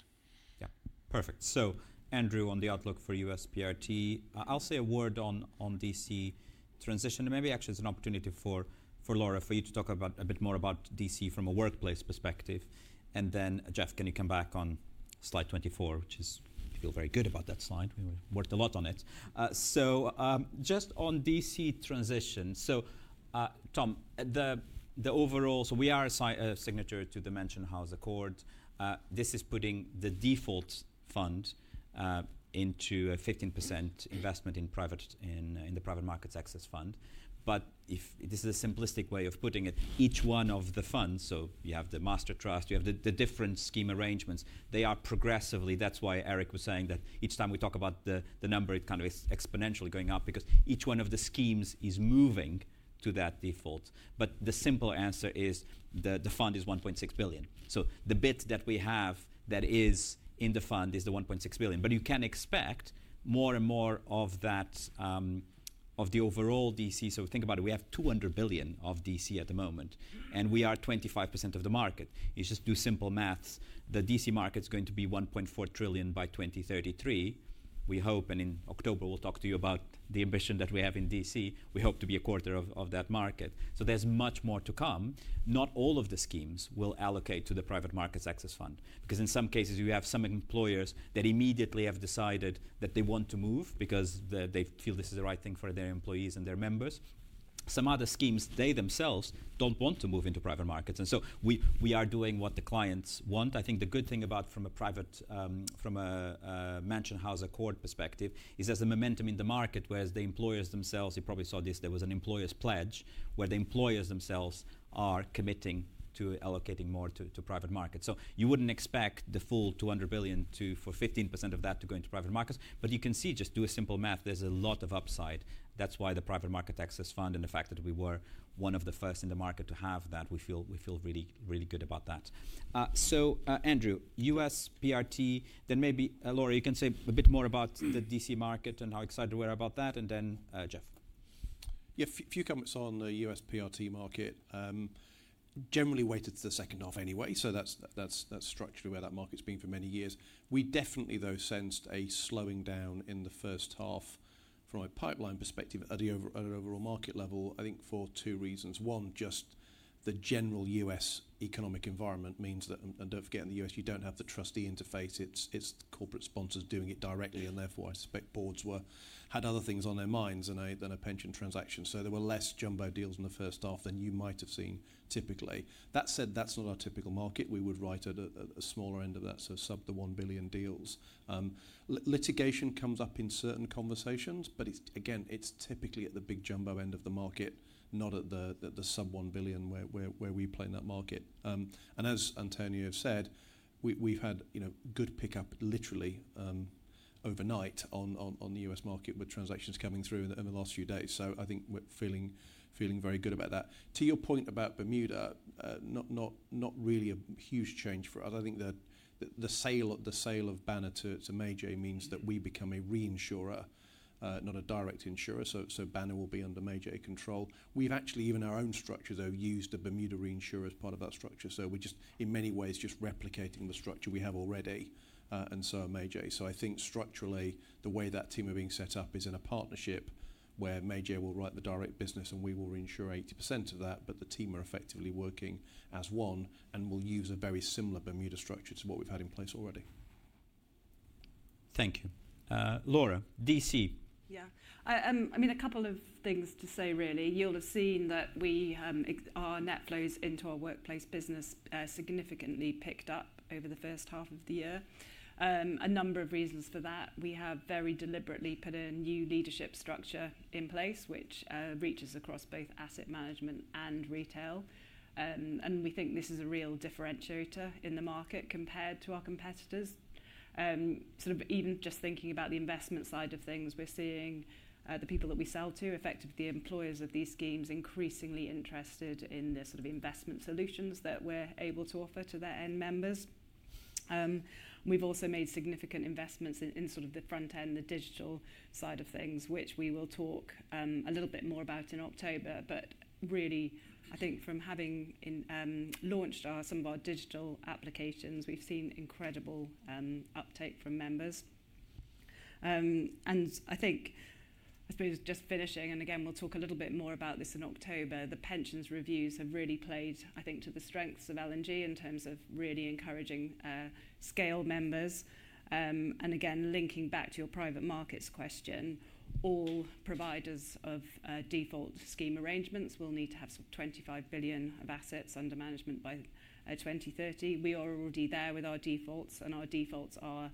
Yeah, perfect. So Andrew, on the outlook for U.S. PRT, I'll say a word on DC transition and maybe actually it's an opportunity for Laura, for you to talk a bit more about DC from a workplace perspective. Jeff, can you come back on slide 24, which is, feel very good about that slide. We worked a lot on it. Just on DC transition. Tom, the overall, we are a signatory to the Mansion House Accord. This is putting the default fund into a 15% investment in the Private Markets Access Fund. This is a simplistic way of putting it. Each one of the funds, so you have the master trust, you have the different scheme arrangements, are progressively, that's why Eric was saying that each time we talk about the number, it kind of is exponentially going up because each one of the schemes is moving to that default. The simple answer is the fund is 1.6 billion. The bit that we have that is in the fund is the 1.6 billion. You can expect more and more of that, of the overall DC. Think about it, we have 200 billion of DC at the moment and we are 25% of the market. You just do simple maths. The DC market is going to be 1.4 trillion by 2033, we hope. In October we'll talk to you about the ambition that we have in DC. We hope to be 1/4 of that market. There's much more to come. Not all of the schemes will allocate to the Private Markets Access Fund because in some cases you have some employers that immediately have decided that they want to move because they feel this is the right thing for their employees and their members. Some other schemes, they themselves don't want to move into private markets. We are doing what the clients want. The good thing about, from a private, from a Mansion House Accord perspective, is there's a momentum in the market. The employers themselves, you probably saw this, there was an employer's pledge where the employers themselves are committing to allocating more to private markets. You wouldn't expect the full 200 billion, for 15% of that to go into private markets. You can see, just do a simple math, there's a lot of upside. That's why the Private Markets Access Fund and the fact that we were one of the first in the market to have that, we feel really, really good about that. Andrew, U.S. PRT, then maybe Laura, you can say a bit more about the DC market and how excited we are about that. Then Jeff. Yeah, few comments on the U.S. PRT market generally waited to the second half anyway, so that's structurally where that market's been for many years. We definitely though sensed a slowing down in the first half from a pipeline perspective at an overall market level, I think for two reasons. One, just the general U.S. economic environment means that. Don't forget in the U.S. you don't have the trustee interface. It's corporate sponsors doing it directly and therefore I suspect boards had other things on their minds than a pension transaction. There were less jumbo deals in the first half than you might have seen typically. That said, that's not our typical market. We would write at a smaller end of that, so sub $1 billion deals. Litigation comes up in certain conversations, but again, it's typically at the big jumbo end of the market, not at the sub $1 billion where we play in that market. As António has said, we've had good pickup literally overnight on the U.S. market with transactions coming through in the last few days. I think we're feeling very good about that. To your point about Bermuda, not really a huge change for us. I think the sale of Banner to Meiji means that we become a reinsurer, not a direct insurer. Banner will be under Meiji control. Actually, even our own structures, though, used a Bermuda reinsurer as part of that structure. We're just in many ways just replicating the structure we have already and so are Meiji. I think structurally, the way that team are being set up is in a partnership where Meiji will write the direct business and we will reinsure 80% of that. The team are effectively working as one and we'll use a very similar Bermuda structure to what we've had in place already. Thank you, Laura, DC? Yeah, I mean, a couple of things to say, really. You'll have seen that our net flows into our workplace business significantly picked up over the first half of the year. A number of reasons for that. We have very deliberately put a new leadership structure in place which reaches across both asset management and retail. We think this is a real differentiator in the market compared to our competitors. Even just thinking about the investment side of things, we're seeing the people that we sell to, effectively the employers of these schemes, increasingly interested in the sort of investment solutions that we're able to offer to their end members. We've also made significant investments in the front end, the digital side of things, which we will talk a little bit more about in October. Really, I think from having launched some of our digital applications, we've seen incredible uptake from members and I think, I suppose just finishing, we'll talk a little bit more about this in October. The pensions reviews have really played, I think, to the strengths of L&G in terms of really encouraging scale members. Again, linking back to your private markets question, all providers of default scheme arrangements will need to have some 25 billion of assets under management by 2030. We are already there with our defaults and our defaults are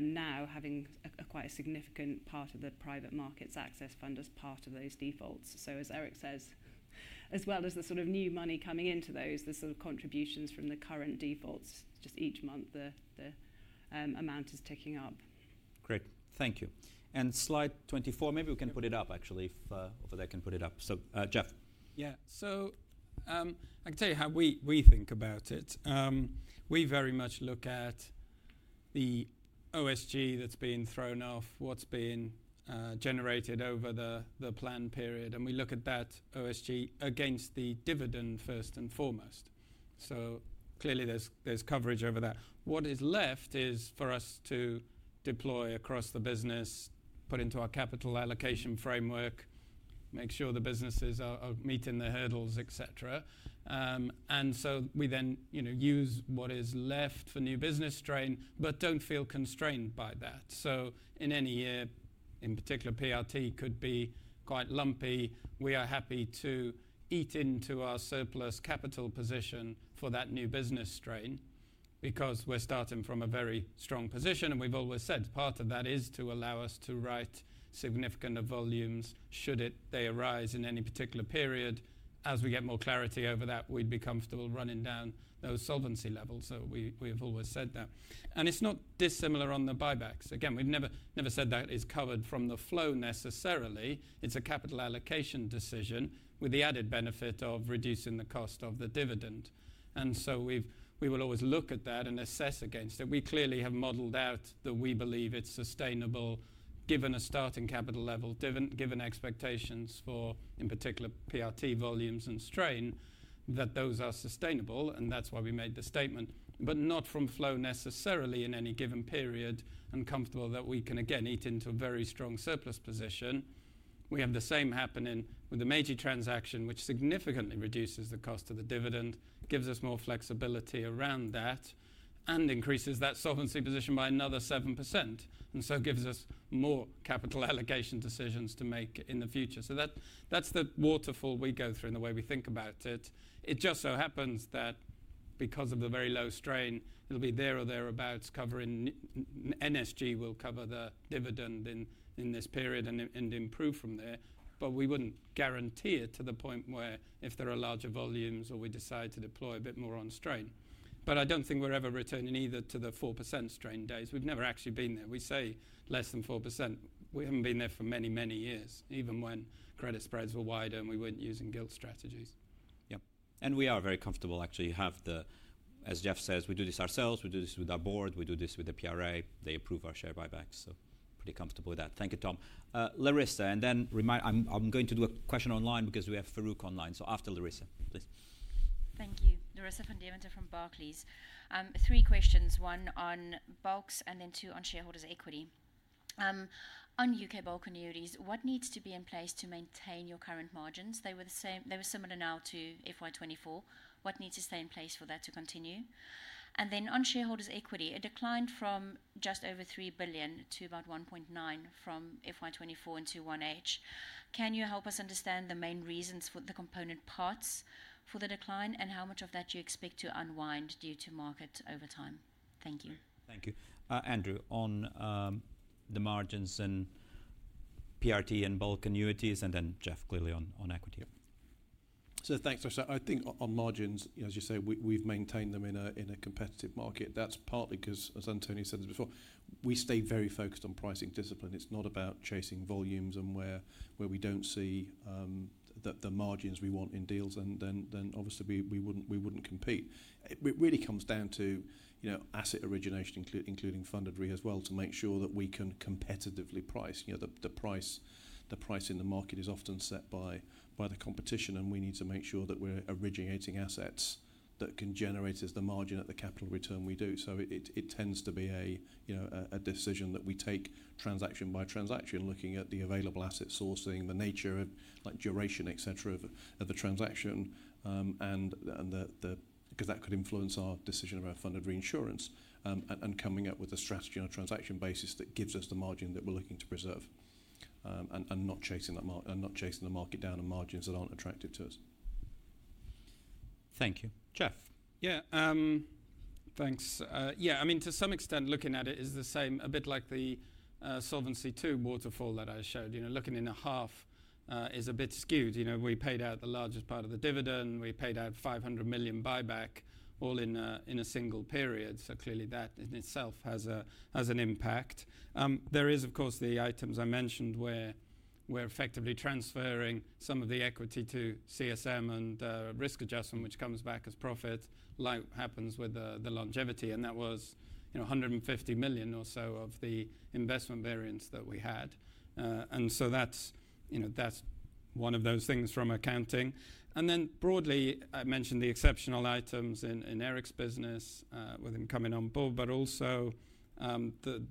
now having quite a significant part of the Private Markets Access Fund as part of those defaults. As Eric says, as well as the new money coming into those, the contributions from the current defaults just each month, the amount is ticking up. Great, thank you. Slide 24. Maybe we can put it up, actually, if over there can put it up. Jeff. Yeah. I can tell you how we think about it. We very much look at the OSG that's being thrown off, what's being generated over the plan period. We look at that OSG against the dividend first and foremost. Clearly there's coverage over that. What is left is for us to deploy across the business, put into our capital allocation framework, make sure the businesses are meeting the hurdles, etc. We then use what is left for new business strain, but don't feel constrained by that. In any year in particular, PRT could be quite lumpy. We are happy to eat into our surplus capital position for that new business strain because we're starting from a very strong position and we've always said part of that is to allow us to write significant volumes should they arise in any particular period. As we get more clarity over that, we'd be comfortable running down those solvency levels. We have always said that, and it's not dissimilar on the buybacks. We've never said that is covered from the flow necessarily. It's a capital allocation decision with the added benefit of reducing the cost of the dividend. We will always look at that and assess against it. We clearly have modeled out that we believe it's sustainable given a starting capital level, given expectations for in particular PRT volumes and strain, that those are sustainable. That's why we made the statement, but not from flow necessarily in any given period and comfortable that we can again eat into a very strong surplus position. We have the same happening with the Meiji transaction, which significantly reduces the cost of the dividend, gives us more flexibility around that and increases that solvency position by another 7% and so gives us more capital allocation decisions to make in the future. That's the waterfall we go through in the way we think about it. It just so happens that because of the very low strain, it'll be there or thereabouts. Covering NSG will cover the dividend in this period and improve from there. We wouldn't guarantee it to the point where if there are larger volumes or we decide to deploy a bit more on strain, but I don't think we're ever returning either to the 4% strain days. We've never actually been there, we say less than 4%. We haven't been there for many, many years, even when credit spreads were wider and we weren't using gilt strategies. Yep. We are very comfortable. Actually, as Jeff says, we do this ourselves. We do this with our Board, we do this with the PRA. They approve our share buybacks, so pretty comfortable with that. Thank you, Tom. Larissa. I'm going to do a question online because we have Farooq online. After Larissa, please. Thank you. Larissa Van Deventer from Barclays. Three questions, one on bulks and then two on shareholders' equity. On U.K. bulk annuities, what needs to be in place to maintain your current margins? They were the same. They were similar now to FY 2024, what needs to stay in place for that to continue? On shareholders' equity, it declined from just over 3 billion to about 1.9 billion from FY 2024 into 1H. Can you help us understand the main reasons for the component parts, for the decline, and how much of that you expect to unwind due to market over time? Thank you. Thank you, Andrew. On the margins in PRT and bulk annuities, and then Jeff, clearly on equity. Thanks. [inaudible] I think on margins, as you say, we've maintained them in a competitive market. That's partly because, as António said before, we stay very focused on pricing discipline. It's not about chasing volumes. Where we don't see the margins we want in deals, obviously we wouldn't compete. It really comes down to asset origination, including funded reinsurance as well, to make sure that we can competitively price. The price in the market is often set by the competition, and we need to make sure that originating assets can generate us the margin at the capital return we do. It tends to be a decision that we take transaction by transaction, looking at the available asset sourcing, the nature of duration, etc., of the transaction, because that could influence our decision about funded reinsurance and coming up with a strategy on a transaction basis that gives us the margin that we're looking to preserve and not chasing the market down in margins that aren't attractive to us. Thank you. Jeff. Yeah, thanks. I mean, to some extent, looking at it is the same, a bit like the Solvency II waterfall that I showed. Looking in a half is a bit skewed. We paid out the largest part of the dividend, we paid out 500 million buyback all in a single period. Clearly that in itself has an impact. There is of course the items I mentioned where you're effectively transferring some of the equity to CSM and risk adjustment which comes back as profit like happens with the longevity. That was, you know, 150 million or so of the investment variance that we had. That's one of those things from accounting. Broadly, I mentioned the exceptional items in Eric's business within coming on board but also the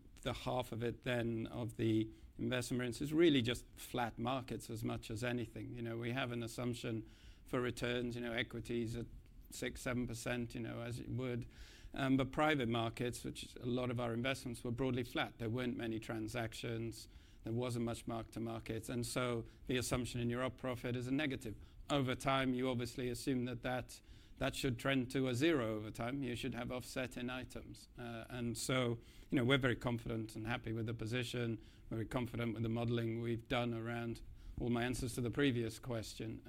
half of it then of the investment is really just flat markets as much as anything. We have an assumption for returns equities at 6%,7% as it would, but private markets, which a lot of our investments were, broadly flat. There weren't many transactions, there wasn't much mark-to-market. The assumption in your OP profit is a negative. Over time, you obviously assume that that should trend to a zero over time. You should have offset an item. We're very confident and happy with the position, very confident with the modeling we've done around all my answers to the previous question.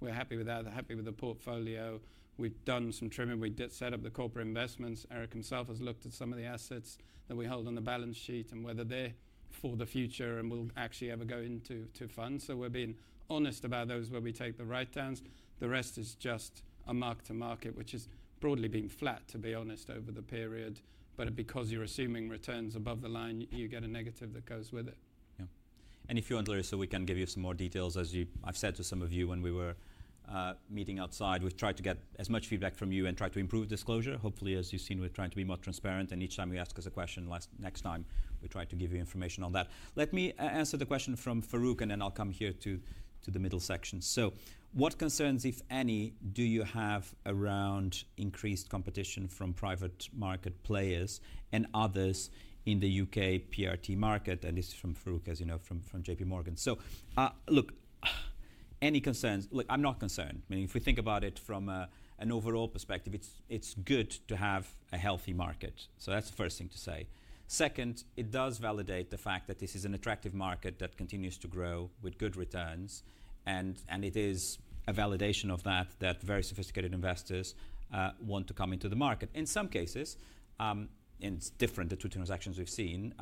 We're happy with that, happy with the portfolio. We've done some trimming. We did set up the corporate investments. Eric himself has looked at some of the assets that we hold on the balance sheet and whether they're for the future and will actually ever go into funds. We're being honest about those where we take the write downs. The rest is just a mark-to-market which has broadly been flat, to be honest, over the period. Because you're assuming returns above the line, you get a negative that goes with it. Yeah, and if you want, Larissa, we can give you some more details. As I've said to some of you when we were meeting outside, we've tried to get as much feedback from you and try to improve disclosure. Hopefully, as you've seen, we're trying to be more transparent and each time you ask us a question, next time we try to give you information on that. Let me answer the question from Farooq and then I'll come here to the middle section. What concerns, if any, do you have around increased competition from private market players and others in the U.K. PRT market? This is from Farooq, as you know, from JPMorgan. Any concerns? I'm not concerned. If we think about it from an overall perspective, it's good to have a healthy market. That's the first thing to say. Second, it does validate the fact that this is an attractive market that continues to grow with good returns and it is a validation of that, that very sophisticated investors want to come into the market. In some cases it's different. The two transactions we've seen,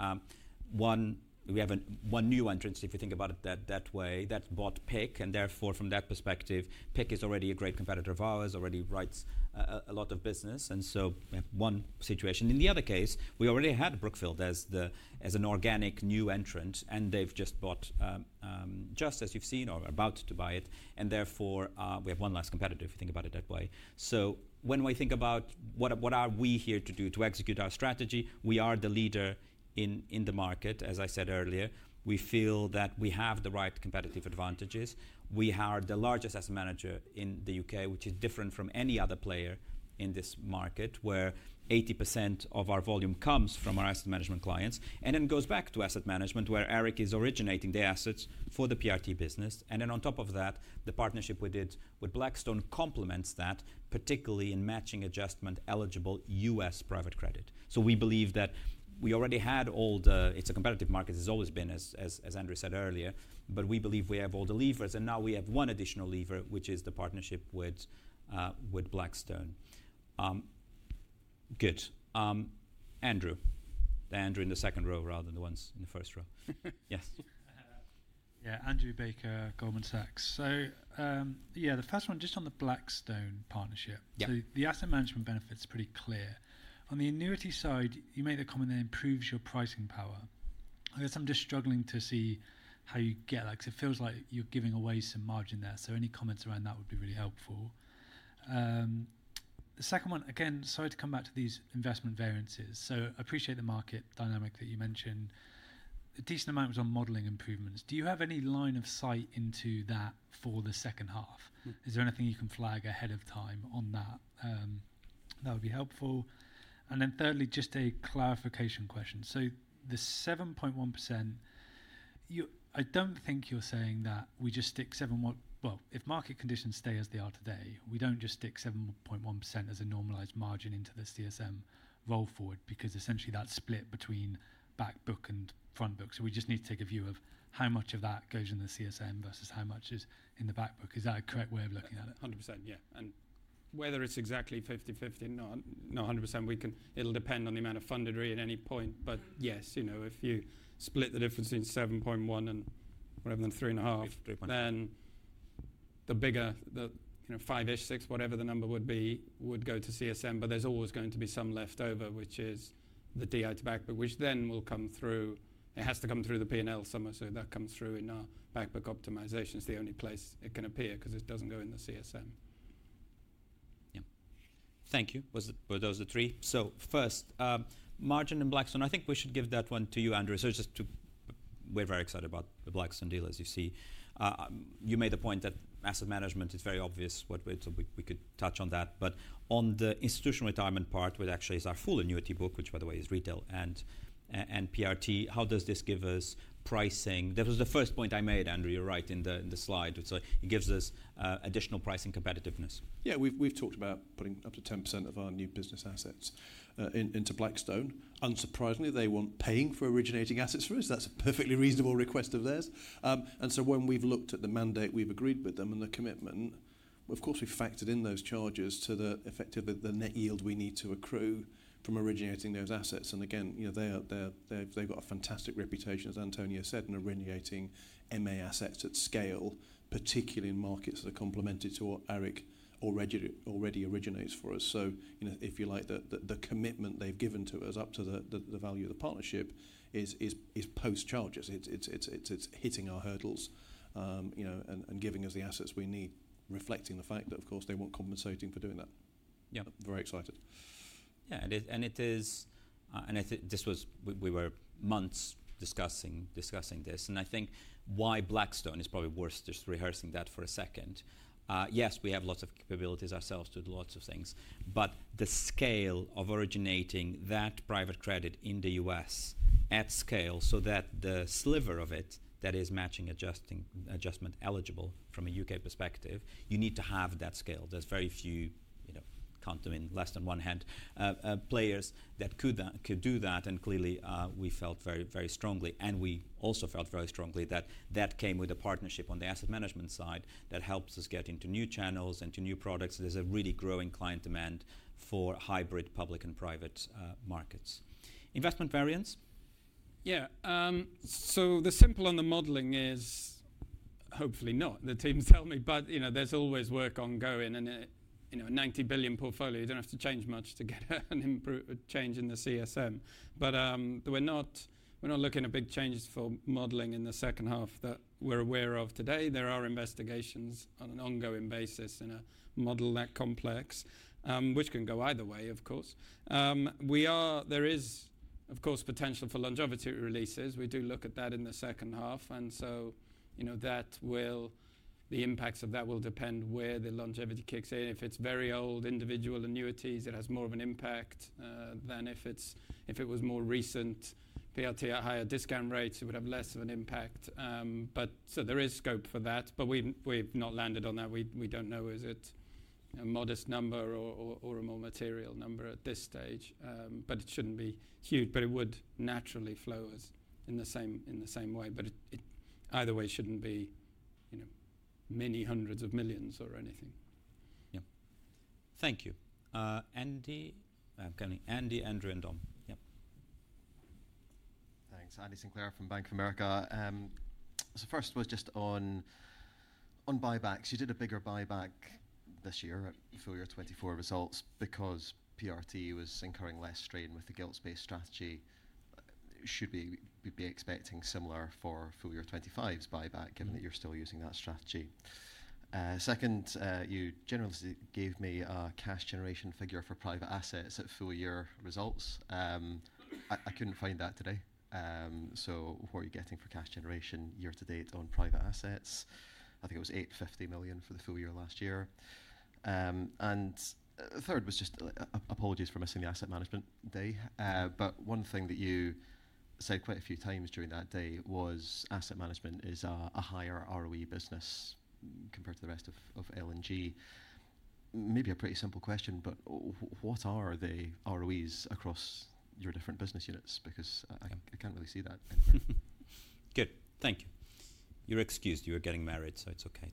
we have one new entrant, if you think about it that way, that bought [inaudible] and therefore from that perspective, [inaudible] is already a great competitor of ours, already writes a lot of business. In one situation, in the other case, we already had Brookfield as an organic new entrant and they've just bought, just as you've seen, or are about to buy it. There we have one less competitor, if you think about it that way. When we think about what are we here to do to execute our strategy, we are the leader in the market, as I said earlier, we feel that we have the right competitive advantages. We hired the largest asset manager in the U.K., which is different from any other player in this market, where 80% of our volume comes from our asset management clients and then goes back to asset management, where Eric is originating the assets for the PRT business. On top of that, the partnership we did with Blackstone complements that, particularly in matching adjustment eligible U.S. private credit. We believe that we already had all the—it's a competitive market. It's always been, as Andrew said earlier, but we believe we have all the levers. Now we have one additional lever, which is the partnership with Blackstone. Good. Andrew. Andrew in the second row rather than the ones in the first row. Andrew Baker, Goldman Sachs. The first one just on the Blackstone partnership, the asset management benefits are pretty clear. On the annuity side, you made the comment that improves your pricing power. I guess I'm just struggling to see how you get that because it feels like you're giving away some margin there. Any comments around that would be really helpful. The second one, again, sorry to come back to these investment variances. I appreciate the market dynamic that you mentioned. A decent amount was on modeling improvements. Do you have any line of sight into that for the second half? Is there anything you can flag ahead of time on that? That would be helpful. Thirdly, just a clarification question. The 7.1%, I don't think you're saying that we just stick 7% well. What, if market conditions stay as they are today, we don't just stick 7.1% as a normalized margin into the CSM roll forward because essentially that's split between back book and front book. We just need to take a view of how much of that goes in the CSM versus how much is in the back book. Is that a correct way of looking at it? 100%, yeah. Whether it's exactly 50/50, not 100%, it'll depend on the amount of fungibility at any point. Yes, if you split the difference in 7.1% and whatever, then 3.5%, then the bigger the, you know, 5-ish, 6%, whatever the number would be, would go to CSM, but there's always going to be some leftover which is the DI to back book, which then will come through. It has to come through the P&L somewhere. That comes through in our back book optimization. It's the only place it can appear because it doesn't go in the CSM. Thank you. Was it. Were those the three. So first, margin in Blackstone. I think we should give that one to you, Andrew. It's just to. We're very excited about the Blackstone deal as you see. You made the point that asset management is very obvious. We could touch on that. On the Institutional Retirement part, which actually is our full annuity book, which by the way is retail and PRT, how does this give us pricing? That was the first point I made, Andrew. You're right in the slide. It gives us additional pricing competitiveness. Yeah. We've talked about putting up to 10% of our new business assets into Blackstone. Unsurprisingly, they want paying for originating assets for us. That's a perfectly reasonable request of theirs. When we've looked at the mandate we've agreed with them and the commitment, of course we factored in those charges to the effect of the net yield we need to accrue from originating those assets. They've got a fantastic reputation, as António said, in originating MA assets at scale, particularly in markets that are complementary to what Eric already originates for us. If you like, the commitment they've given to us up to the value of the partnership is post charges, it's hitting our hurdles and giving us the assets we need, reflecting the fact that of course they want compensating for doing that. Very excited. Yeah. We were months discussing this and I think why Blackstone is probably worth just rehearsing that for a second. Yes, we have lots of capabilities ourselves to do lots of things, but the scale of originating that private credit in the U.S. at scale so that the sliver of it that is matching adjustment eligible from a U.K. perspective, you need to have that scale. There are very few, you know, less than one hand players that could do that. We felt very, very strongly and we also felt very strongly that that came with a partnership on the asset management side that helps us get into new channels and to new products. There's a really growing client demand for hybrid public and private markets. Investment variants. Yeah. The simple and the modeling is hopefully not, the teams tell me, but there's always work ongoing. A 90 billion portfolio, you don't have to change much to get an improved change in the CSM. We're not looking at big changes for modeling in the second half that we're aware of today. There are investigations on an ongoing basis in a model that complex, which can go either way. Of course, there is potential for longevity releases. We do look at that in the second half, and the impacts of that will depend where the longevity kicks in. If it's very old individual annuities, it has more of an impact than if it was more recent PRT, higher discount rates, it would have less of an impact. There is scope for that, but we've not landed on that. We don't know if it's a modest number or a more material number at this stage, but it shouldn't be huge. It would naturally flow in the same way. Either way, it shouldn't be many hundreds of millions or anything. Thank you. Andy, Andrew, and Dom. Andy Sinclair from Bank of America. First was just on buybacks. You did a bigger buyback this year at full year 2024 results because PRT was incurring less strain with the gilts-based strategy. Should we be expecting similar for full year 2025's buyback given that you're still using that strategy? Second, you generally gave me cash generation figure for private assets at full year results. I couldn't find that today. What are you getting for cash generation year to date on private assets? I think it was 850 million for the full year last year. Third was just apologies for missing the asset management day, but one thing that you said quite a few times during that day was asset management is a higher ROE business compared to the rest of L&G. Maybe a pretty simple question, but what are the ROEs across your different business units? Because I can't really see that. Good, thank you. You're excused. You are getting married, so it's okay.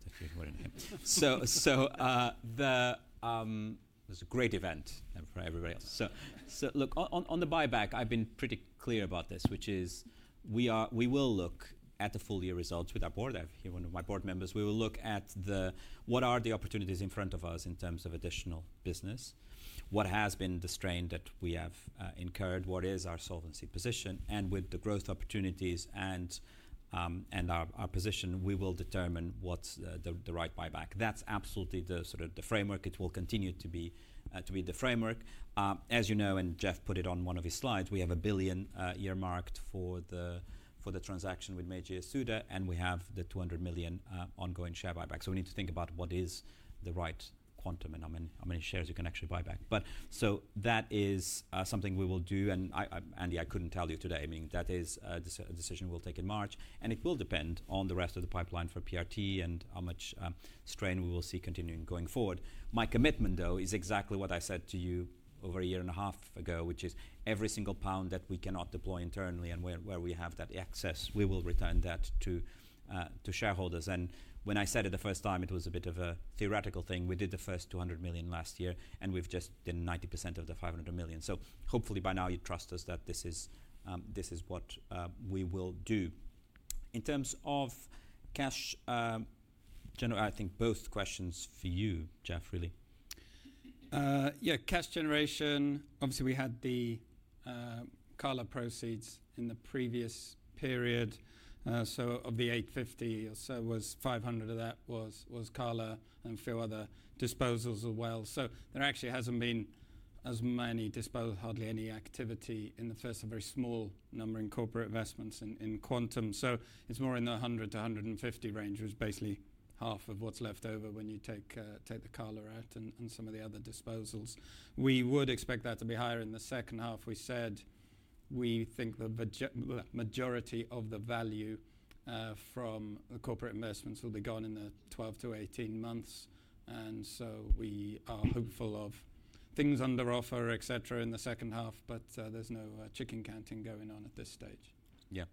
It was a great event for everybody else. Look, on the buyback I've been pretty clear about this, which is we will look at the full year results with our Board. One of my Board members, we will look at what are the opportunities in front of us in terms of additional business, what has been the strain that we have incurred, what is our solvency position, and with the growth opportunities and our position, we will determine what's the right buyback. That's absolutely the framework. It will continue to be the framework. As you know, and Jeff put it on one of his slides, we have 1 billion earmarked for the transaction with Meiji Yasuda, and we have the 200 million ongoing share buyback. We need to think about what is the right quantum and how many shares you can actually buy back. That is something we will do. Andy, I couldn't tell you today; that is a decision we'll take in March and it will depend on the rest of the pipeline for PRT and how much strain we will see continuing going forward. My commitment, though, is exactly what I said to you over a year and a half ago, which is every single pound that we cannot deploy internally and where we have that access, we will return that to shareholders. When I said it the first time, it was a bit of a theoretical thing. We did the first 200 million last year and we've just done 90% of the 500 million. Hopefully by now you trust us that this is what we will do. In terms of cash generation, I think both questions for you, Jeff. Really. Yeah, cash generation. Obviously, we had the Carla proceeds in the previous period. Of the 850 million or so, 500 million of that was Carla and a few other disposals as well. There actually hasn't been as many disposals, hardly any activity in the first half. A very small number in corporate investments in Quantum. It's more in the 100 million-150 million range, which is basically half of what's left over when you take the Carla out and some of the other disposals. We would expect that to be higher in the second half. We said we think the majority of the value from the corporate investments will be gone in the 12-18 months. We are hopeful of things under offer, etc., in the second half. There's no chicken counting going on at this stage. Yeah.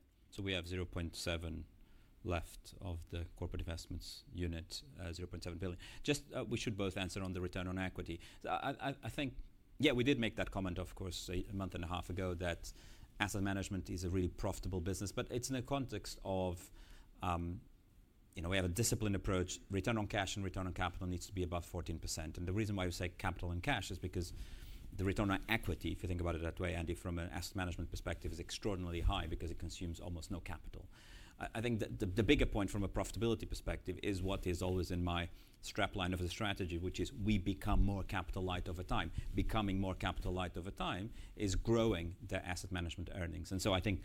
We have 0.7 billion left of the corporate investments unit. 0.7 billion. We should both answer on the return on equity, I think. We did make that comment, of course, a month and a half ago that asset management is a really profitable business. It's in the context of, you know, we have a disciplined approach. Return on cash and return on capital needs to be above 14%. The reason why we say capital and cash is because the return on equity, if you think about it that way, Andy, from an asset management perspective is extraordinarily high because it consumes almost no capital. I think that the bigger point from a profitability perspective is what is always in my strap line of the strategy, which is we become more capital light over time. Becoming more capital light over time is growing the asset management earnings. I think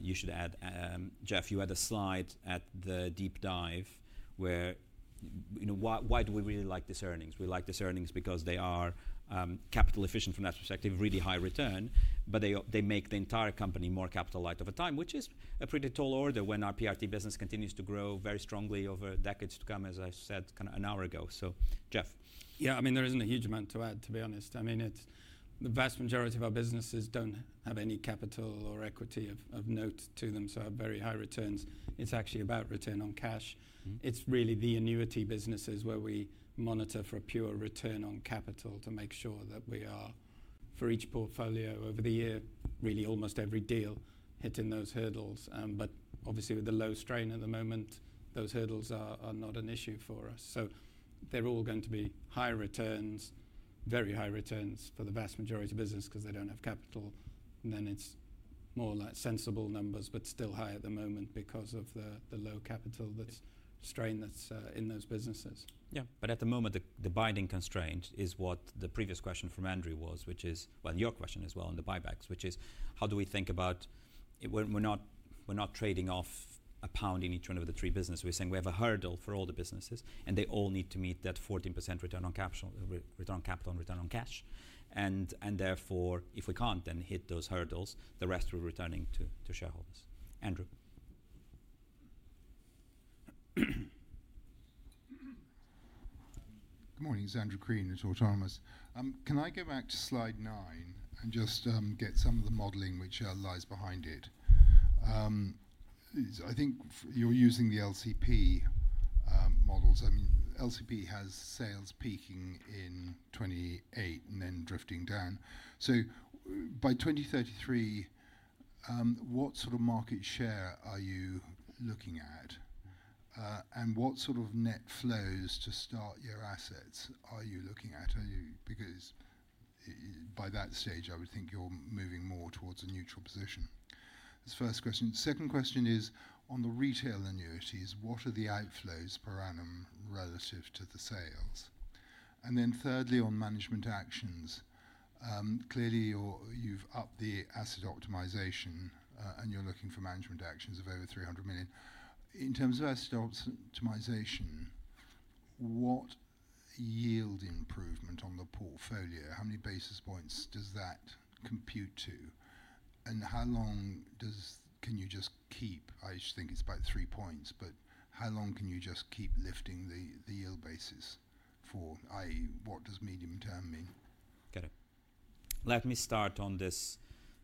you should add, Jeff, you had a slide at the deep dive where why do we really like this earnings? We like this earnings because they are capital efficient. From that perspective, really high return, but they make the entire company more capital light over time, which is a pretty tall order when our PRT business continues to grow very strongly over decades to come, as I said kind of an hour ago. Jeff. Yeah, I mean, there isn't a huge amount to add, to be honest. The vast majority of our businesses don't have any capital or equity of note to them, so have very high returns. It's actually about return on cash. It's really the annuity businesses where we monitor for a pure return on capital to make sure that we are, for each portfolio over the year, really almost every deal hitting those hurdles. Obviously, with the low strain at the moment, those hurdles are not an issue for us. They're all going to be high returns, very high returns for the vast majority of business because they don't have capital. Then it's more like sensible numbers but still high at the moment because of the low capital. That's strain that's in those businesses. At the moment, the binding constraint is what the previous question from Andrew was, which is your question as well on the buybacks, which is how do we think about we're not trading off GBP 1 in each one of the three business. We're saying we have a hurdle for all the businesses and they all need to meet that 14% return on capital, return on capital and return on cash. Therefore, if we can't then hit those hurdles, the rest will be returning to shareholders. Andrew. Good morning, it's Andrew Crean at Autonomous. Can I go back to slide nine and just get some of the modeling which lies behind it? I think you're using the LCP models and LCP has sales peaking in 2028 and then drifting down. By 2033, what sort of market share are you looking at and what sort of net flows to start your assets are you looking at? Are you, because by that stage I would think you're moving more towards a neutral position. That's the first question. Second question is on the retail annuities. What are the outflows per annum relative to the sales? Thirdly, on management actions, clearly you've upped the asset optimization and you're looking for management actions of over 300 million. In terms of asset optimization, what yield improvement on the portfolio, how many basis points does that compute to, and how long does, can you just keep, I think it's about three points, but how long can you just keep lifting the yield basis for, i.e., what does medium term mean? Got it. Let me start on this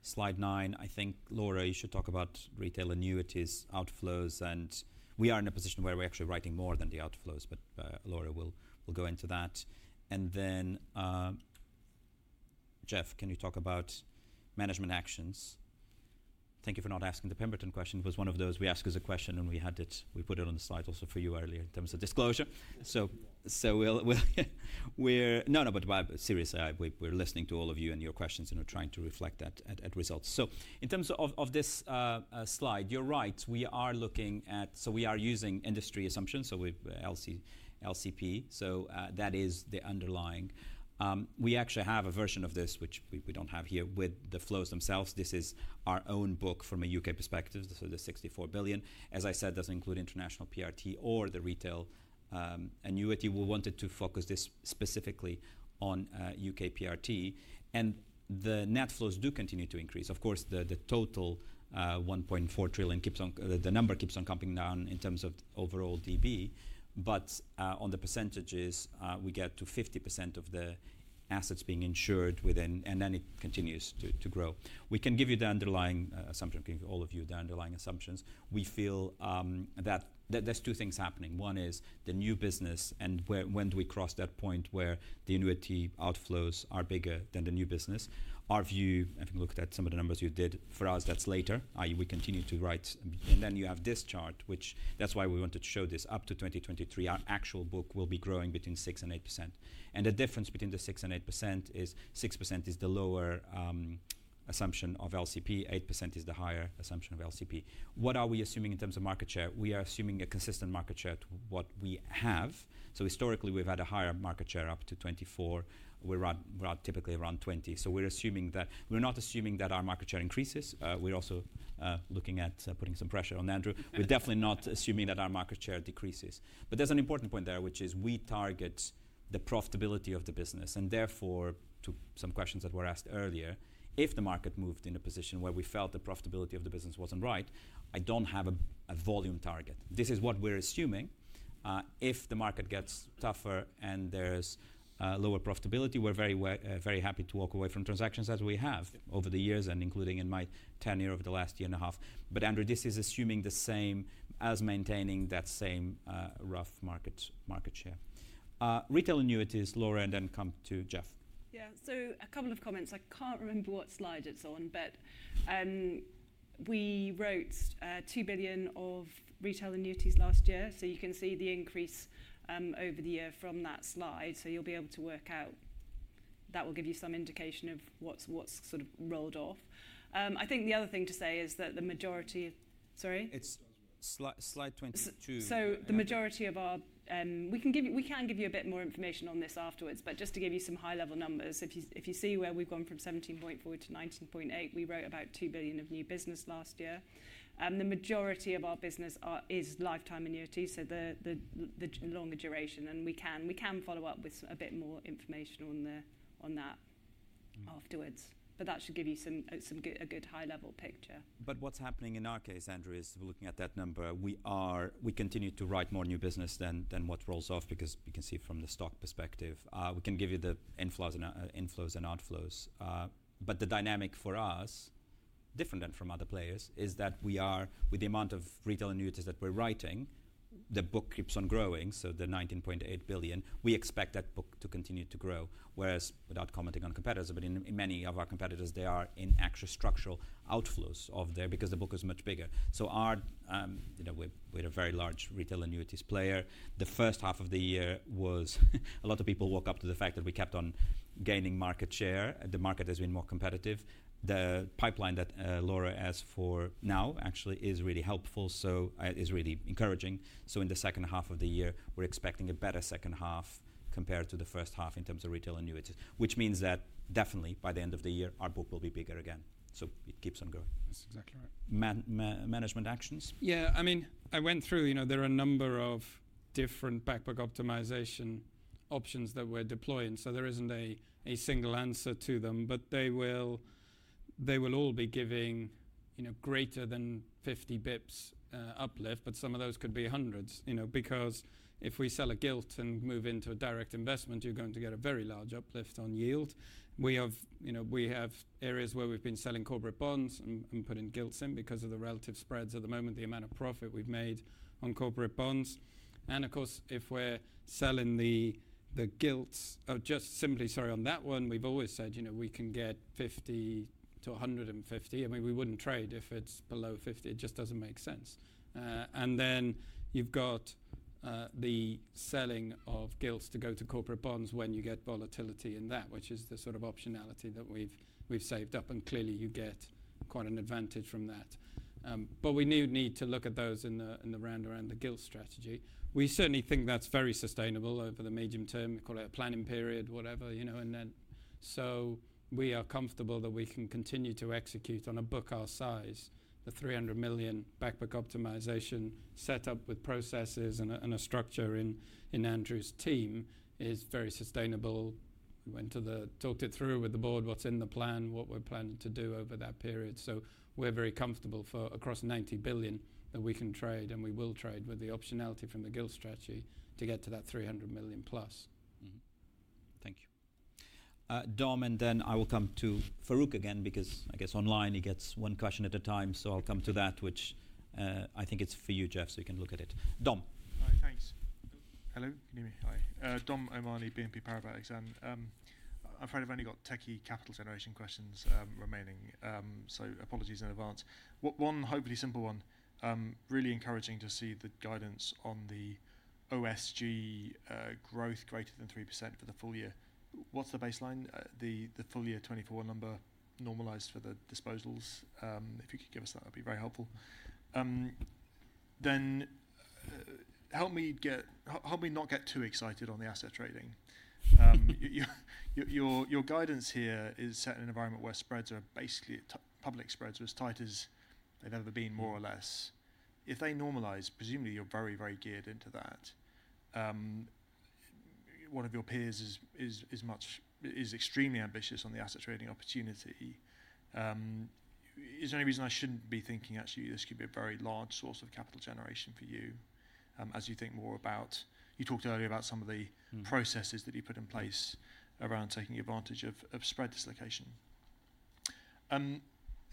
slide nine. I think, Laura, you should talk about retail annuities outflows. We are in a position where we're actually writing more than the outflows. Laura will go into that and then Jeff, can you talk about management actions? Thank you for not asking the Pemberton question. It was one of those. We asked us a question and we had it. We put it on the slide also for you earlier in terms of disclosure. No, no, but seriously, we're listening to all of you and your questions and we're trying to reflect that at results. In terms of this slide, you're right, we are looking at. We are using industry assumptions. We've LCP. That is the underlying. We actually have a version of this which we don't have here with the flows themselves. This is our own book from a U.K. perspective. The 64 billion, as I said, doesn't include international PRT or the retail annuity. We wanted to focus this specifically on U.K. PRT. The net flows do continue to increase, of course. The total 1.4 trillion. The number keeps on coming down in terms of overall DB, but on the percentages, we get to 50% of the assets being insured within and then it continues to grow. We can give you the underlying assumption, all of you, the underlying assumptions. We feel that there's two things happening. One is the new business and when do we cross that point where the annuity outflows are bigger than the new business. Our view, having looked at some of the numbers you did for us, that's later we continue to write. You have this chart, which that's why we wanted to show this up to 2023. Our actual book will be growing between 6% and 8% and the difference between the 6% and 8% is 6% is the lower assumption of LCP. 8% is the higher assumption of LCP. What are we assuming in terms of market share? We are assuming a consistent market share to what we have. Historically we've had a higher market share up to 24%. We're typically around 20%. We're assuming that. We're not assuming that our market share increases. We're also looking at putting some pressure on Andrew. We're definitely not assuming that our market share decreases. There's an important point there which is we target the profitability of the business and therefore to some questions that were asked earlier, if the market moved in a position where we felt the profitability of the business wasn't right. I don't have a volume target. This is what we're assuming. If the market gets tougher and there's lower profitability, we're very happy to walk away from transactions as we have over the years, including in my tenure over the last year and a half. Andrew, this is assuming the same as maintaining that same rough market share. Retail annuities, Laura and then come to Jeff. Yeah, a couple of comments. I can't remember what slide it's on, but we wrote 2 billion of retail annuities last year. You can see the increase over the year from that slide, so you'll be able to work out that will give you some indication of what's sort of rolled off. I think the other thing to say is that the majority, sorry? It's slide 22. The majority of our, we can give you a bit more information on this afterwards, but just to give you some high-level numbers, if you see where we've gone from 17.4 billion to 19.8 billion, we wrote about 2 billion of new business last year, and the majority of our business is lifetime annuities, so the longer duration. We can follow up with a bit more information on that afterwards, but that should give you a good high-level picture. What's happening in our case, Andrew, is looking at that number. We continue to write more new business than what rolls off because you can see from the stock perspective we can give you the inflows and outflows, but the dynamic for us, different than from other players, is that we are, with the amount of retail annuities that we're writing, the book keeps on growing. The 19.8 billion, we expect that book to continue to grow, whereas without commenting on competitors, in many of our competitors they are in extra structural outflows there because the book is much bigger. We're a very large retail annuities player. The first half of the year was a lot of people woke up to the fact that we kept on gaining market share. The market has been more competitive. The pipeline that Laura has for now actually is really helpful, so is really encouraging. In the second half of the year we're expecting a better second half compared to the first half in terms of retail annuities, which means that definitely by the end of the year our book will be bigger again. It keeps on going. That's exactly right. Management actions. Yeah, I mean I went through, you know, there are a number of different back book optimization options that we're deploying, so there isn't a single answer to them. They will all be giving, you know, greater than 50 basis points uplift, but some of those could be hundreds, you know, because if we sell a gilt and move into a direct investment, you're going to get a very large uplift on yield. We have areas where we've been selling corporate bonds and putting gilts in because of the relative spreads at the moment, the amount of profit we've made on corporate bonds, and of course if we're selling the gilts, just simply. Sorry, on that one we've always said we can get 50-150. I mean, we wouldn't trade if it's below 50. It just doesn't make sense. You've got the selling of gilts to go to corporate bonds when you get volatility in that, which is the sort of optionality that we've saved up, and clearly you get quite an advantage from that. We do need to look at those in the round around the gilt strategy. We certainly think that's very sustainable over the medium term. We call it a planning period, whatever, and we are comfortable that we can continue to execute on a book our size. The 300 million back book optimization set up with processes and a structure in Andrew's team is very sustainable. Went to the talked it through with the Board, what's in the plan, what we're planning to do over that period. We are very comfortable for across 90 billion that we can trade, and we will trade with the optionality from the gilt strategy to get to that 300+ million. Dom. I will come to Farooq again because I guess online he gets one question at a time. I'll come to that, which I think is for you, Jeff, so you can look at it. Dom. Hi, thanks. Hello, good evening. Hi. Dom O'Mahony, BNP Paribas Exane, and I'm afraid I've only got techie capital generation questions remaining, so apologies in advance. One hopefully simple one, really encouraging to see the guidance on the OSG growth greater than 3% for the full year. What's the baseline, the full year 2024 number normalized for the disposals? If you could give us that, that'd be very helpful. Then help me not get too excited on the asset trading. Your guidance here is set in an environment where spreads are basically public. Spreads are as tight as they've ever been, more or less. If they normalize, presumably you're very, very geared into that. One of your peers is extremely ambitious on the asset trading opportunity. Is there any reason I shouldn't be thinking actually this could be a very large source of capital generation for you as you think more about you talked earlier about some of the processes that you put in place around taking advantage of spread dislocation?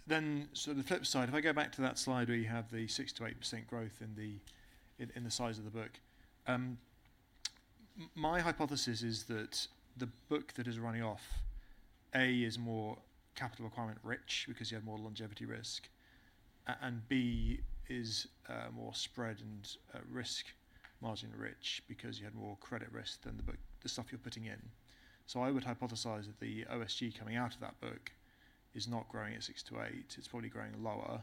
Then on the flip side, if I go back to that slide where you have the 6%-8% growth in the size of the book, my hypothesis is that the book that is running off, A, is more capital requirement rich because you have more longevity risk, and B is more spread and risk. Margin rich because you had more credit risk than the book, the stuff you're putting in. I would hypothesize that the OSG coming out of that book is not growing at 6%-8%. It's probably growing lower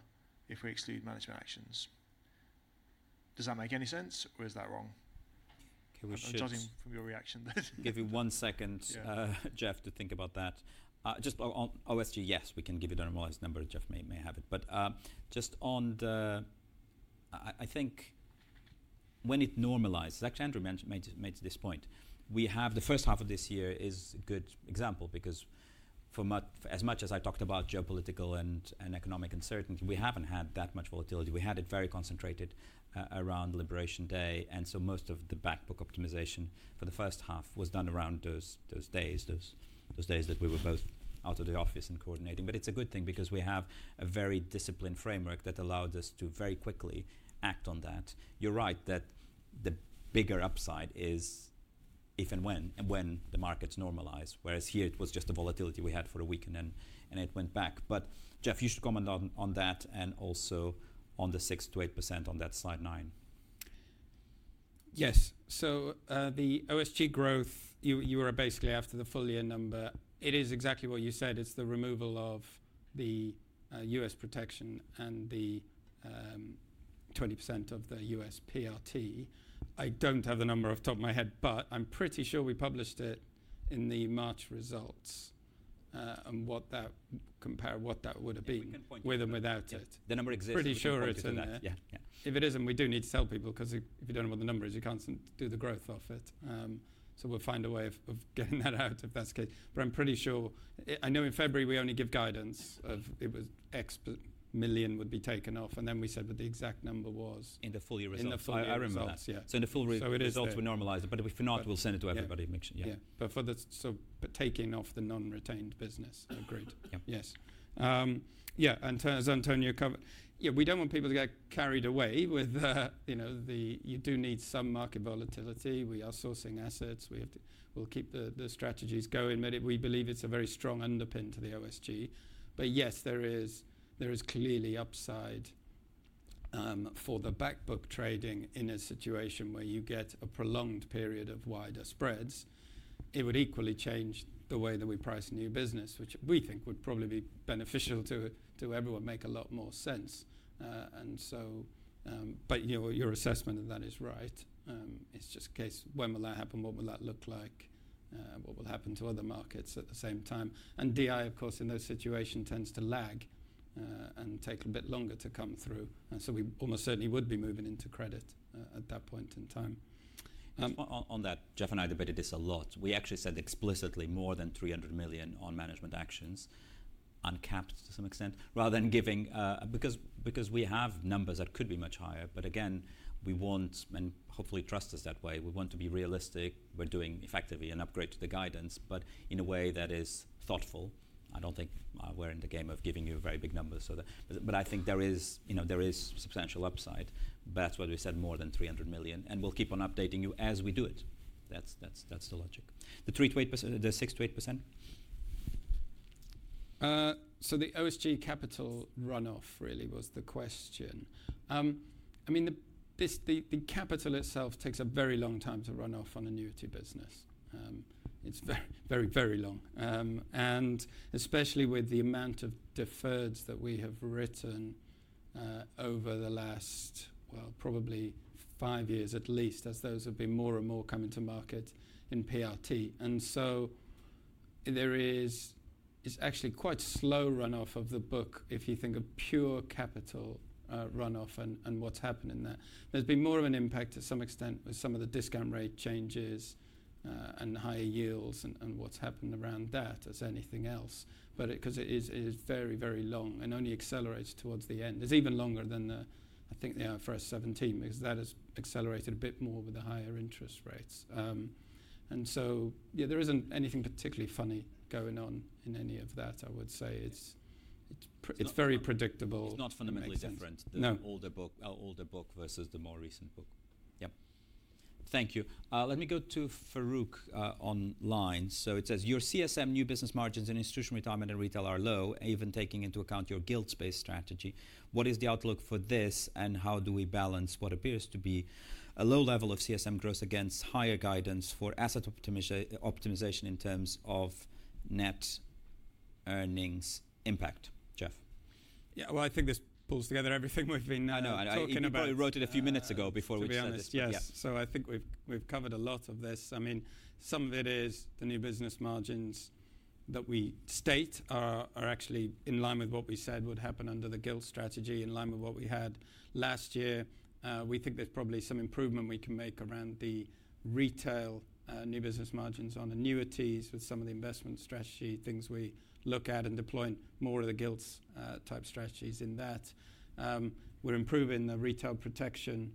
if we exclude monetary actions. Does that make any sense or is that wrong? I'm starting from your reaction. Give you one second, Jeff, to think about that. Just OSG. Yes, we can give you the normalized number. Jeff may have it, but just on the, I think when it normalizes, actually Andrew made this point, we have the first half of this year as a good example because as much as I talked about geopolitical and economic uncertainty, we haven't had that much volatility. We had it very concentrated around Liberation Day, and most of the back book optimization for the first half was done around those days. Those days that we were both out of the office and coordinating. It's a good thing because we have a very disciplined framework that allows us to very quickly act on that. You're right that the bigger upside is if and when the markets normalize. Here it was just the volatility we had for the week, and then it went back. Jeff, you should comment on that and also on the 6%-8% on that slide nine. Yes. The OSG growth, you were basically after the full year number. It is exactly what you said. It's the removal of the U.S. protection and the 20% of the U.S. PRT. I don't have the number off the top of my head, but I'm pretty sure we published it in the March results and what that compares, what that would have been with and without it, The number exists. Pretty sure it's that. If it isn't, we do need to tell people, because if you don't know what the number is, you can't do the growth off it. We'll find a way of getting that out if that's good. I'm pretty sure I know in February we only give guidance of it was expert million would be taken off, and then we said what the exact number was. In the full year results. In the full results, we normalize it, but if not, we'll send it to everybody mixing. Yeah, but taking off the non-retained business. Agreed. Yes. As António covered, we don't want people to get carried away with, you know, you do need some market volatility. We are sourcing assets. We'll keep the strategies going, but we believe it's a very strong underpin to the OSG. Yes, there is clearly upside for the back book trading in a situation where you get a prolonged period of wider spreads. It would equally change the way that we price new business, which we think would probably be beneficial to everyone and make a lot more sense. Your assessment of that is right. It's just a case of when will that happen, what will that look like, what will happen to other markets at the same time. DI, of course, in those situations tends to lag and take a bit longer to come through, so we almost certainly would be moving into credit at that point in time. Jeff and I debated this a lot. We actually said explicitly more than 300 million on management actions uncapped to some extent rather than giving, because we have numbers that could be much higher. Again, we want, and hopefully you trust us that way, to be realistic. We're doing effectively an upgrade to the guidance, but in a way that is thoughtful. I don't think we're in the game of giving you very big numbers, but I think there is substantial upside. That's why we said more than 300 million, and we'll keep on updating you as we do it. That's the logic. The 6%-8%. The OSG capital runoff really was the question. I mean, the capital itself takes a very long time to run off on annuity business. It's very, very long, especially with the amount of deferreds that we have written over the last, probably five years at least, as those have been more and more coming to market in PRT. There is actually quite slow runoff of the book if you think of pure capital runoff. What's happened is that there's been more of an impact to some extent with some of the discount rate changes and higher yields and what's happened around that as anything else. Because it is very, very long and only accelerates towards the end, it's even longer than I think the IFRS 17 because that has accelerated a bit more with the higher interest rates. There isn't anything particularly funny going on in any of that. I would say it's very predictable. It's not fundamentally different than older book versus the more recent book. Thank you. Let me go to Farooq online. It says your CSM new business margins in Institutional Retirement and retail are low. Even taking into account your gilt space strength strategy, what is the outlook for this and how do we balance what appears to be a low level of CSM growth against higher guidance for asset optimization in terms of net earnings impact? Jeff? Yeah, I think this pulls together everything we've been talking about. I know we wrote it a few minutes ago before we said this. I think we've covered a lot of this. Some of it is the new business margins that we state are actually in line with what we said would happen under the gilt strategy, in line with what we had last year. We think there's probably some improvement we can make around the retail new business margins on annuities with some of the investment strategy. Things we look at and deploy more of the gilts type strategies in that. We're improving the retail protection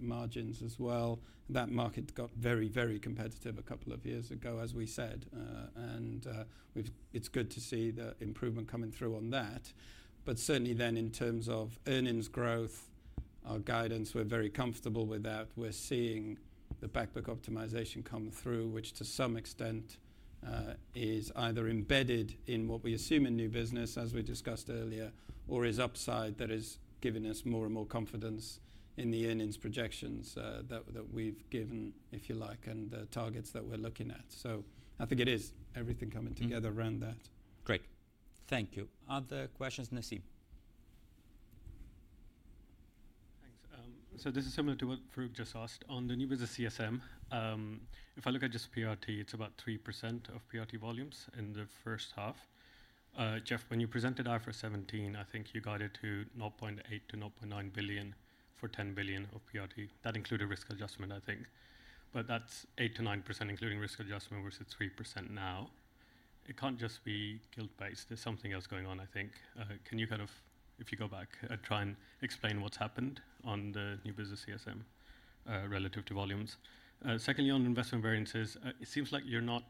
margins as well. That market got very, very competitive a couple of years ago, as we said, and it's good to see the improvement coming through on that. Certainly, in terms of earnings growth, our guidance, we're very comfortable with that. We're seeing the back book optimization come through, which to some extent is either embedded in what we assume in new business, as we discussed earlier, or is upside that is giving us more and more confidence in the earnings projections that we've given, if you like, and the targets that we're looking at. I think it is everything coming together around that. Great, thank you. Other questions? Nasib. Thanks. This is similar to what Farooq just asked on the new business CSM. If I look at just PRT, it's about 3% of PRT volumes in the first half. Jeff, when you presented IFRS 17, I think you guided to 0.8 billion-0.9 billion for 10 billion of PRT. That included risk adjustment, I think. That's 8%-9% including risk adjustment versus 3% now. It can't just be gilt-based. There's something else going on, I think. Can you, if you go back, try and explain what's happened on the new business CSM relative to volumes? Secondly, on investment variances, it seems like you're not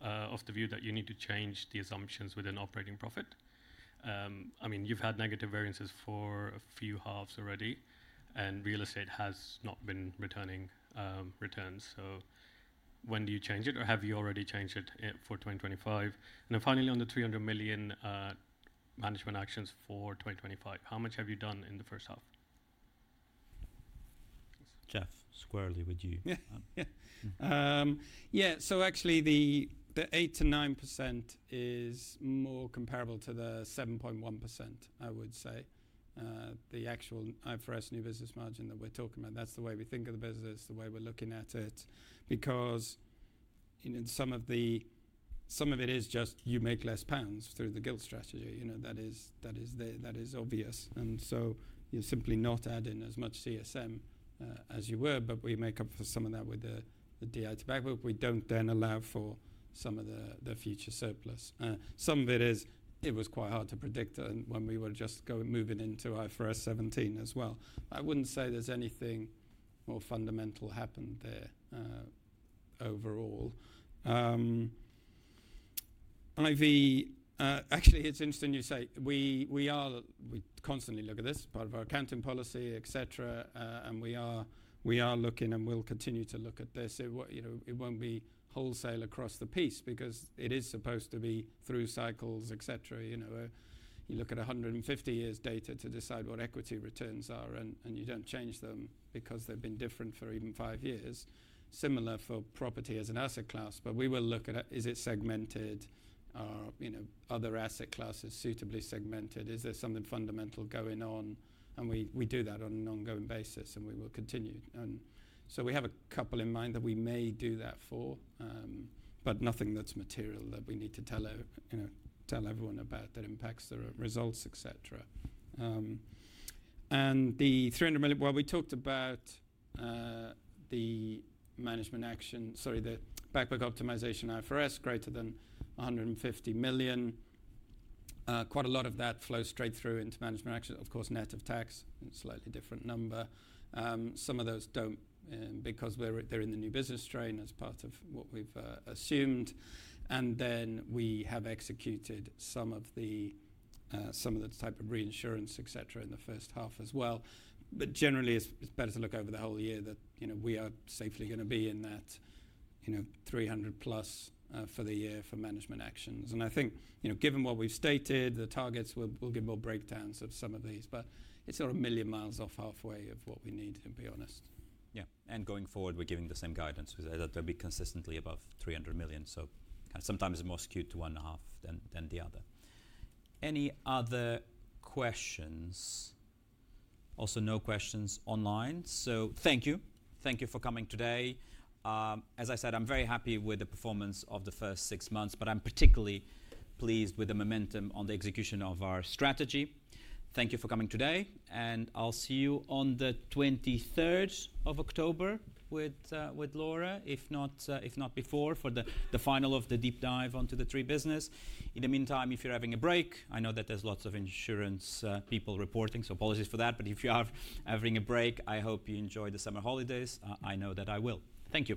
of the view that you need to change the assumptions within operating profit. You've had negative variances for a few halves already, and real estate has not been returning returns. So when do you change it or have you already changed it for 2025, and finally, on the 300 million management actions for 2025, how much have you done in the first half? Jeff? Squarely with you. Yeah, so actually the 8%-9% is more comparable to the 7.1%. I would say the actual IFRS new business margin that we're talking about, that's the way we think of the business, the way we're looking at it because some of it is just you make less pounds through the gilt strategy. That is obvious, and so you're simply not adding as much CSM as you were. We make up for some of that with the DI tobacco. We don't then allow for some of the future surplus. Some of it is, it was quite hard to predict when we were just moving into IFRS 17 as well. I wouldn't say there's anything more fundamental happened there overall. Ivy, actually it's interesting you say we constantly look at this part of our accounting policy, etc., and we are looking and will continue to look at this. It won't be wholesale across the piece because it is supposed to be through cycles, etc. You look at 150 years data to decide what equity returns are and you don't change them because they've been different for even five years. Similar for property as an asset class. We will look at is it segmented, are other asset classes suitably segmented, is there something fundamental going on, and we do that on an ongoing basis and we will continue. We have a couple in mind that we may do that for, but nothing that's material that we need to tell everyone about that impacts the results, etc. The 300 million, we talked about the management action, sorry, the backward optimization, IFRS greater than 150 million, quite a lot of that flows straight through into management action. Of course, net of tax, slightly different number. Some of those don't because they're in the new business strain as part of what we've assumed and then we have executed some of the type of reinsurance, etc., in the first half as well. Generally, it's better to look over the whole year that, you know, we are safely going to be in that, you know, 300+ million for the year for management actions. I think, you know, given what we've stated, the targets will give more breakdowns of some of these, but it's sort of 1 million mi off, halfway of what we need, to be honest. Yeah. Going forward we're giving the same guidance. We say that they'll be consistently above 300 million, sometimes more skewed to one half than the other. Any other questions? Also, no questions online. Thank you, thank you for coming today. As I said, I'm very happy with the performance of the first six months, but I'm particularly pleased with the momentum on the execution of our strategy. Thank you for coming today and I'll see you on the 23rd of October with Laura, if not before, for the final of the deep dive onto the three business. In the meantime, if you're having a break, I know that there's lots of insurance people reporting, so apologies for that, but if you are having a break, I hope you enjoy the summer holidays, I know that I will, thank you.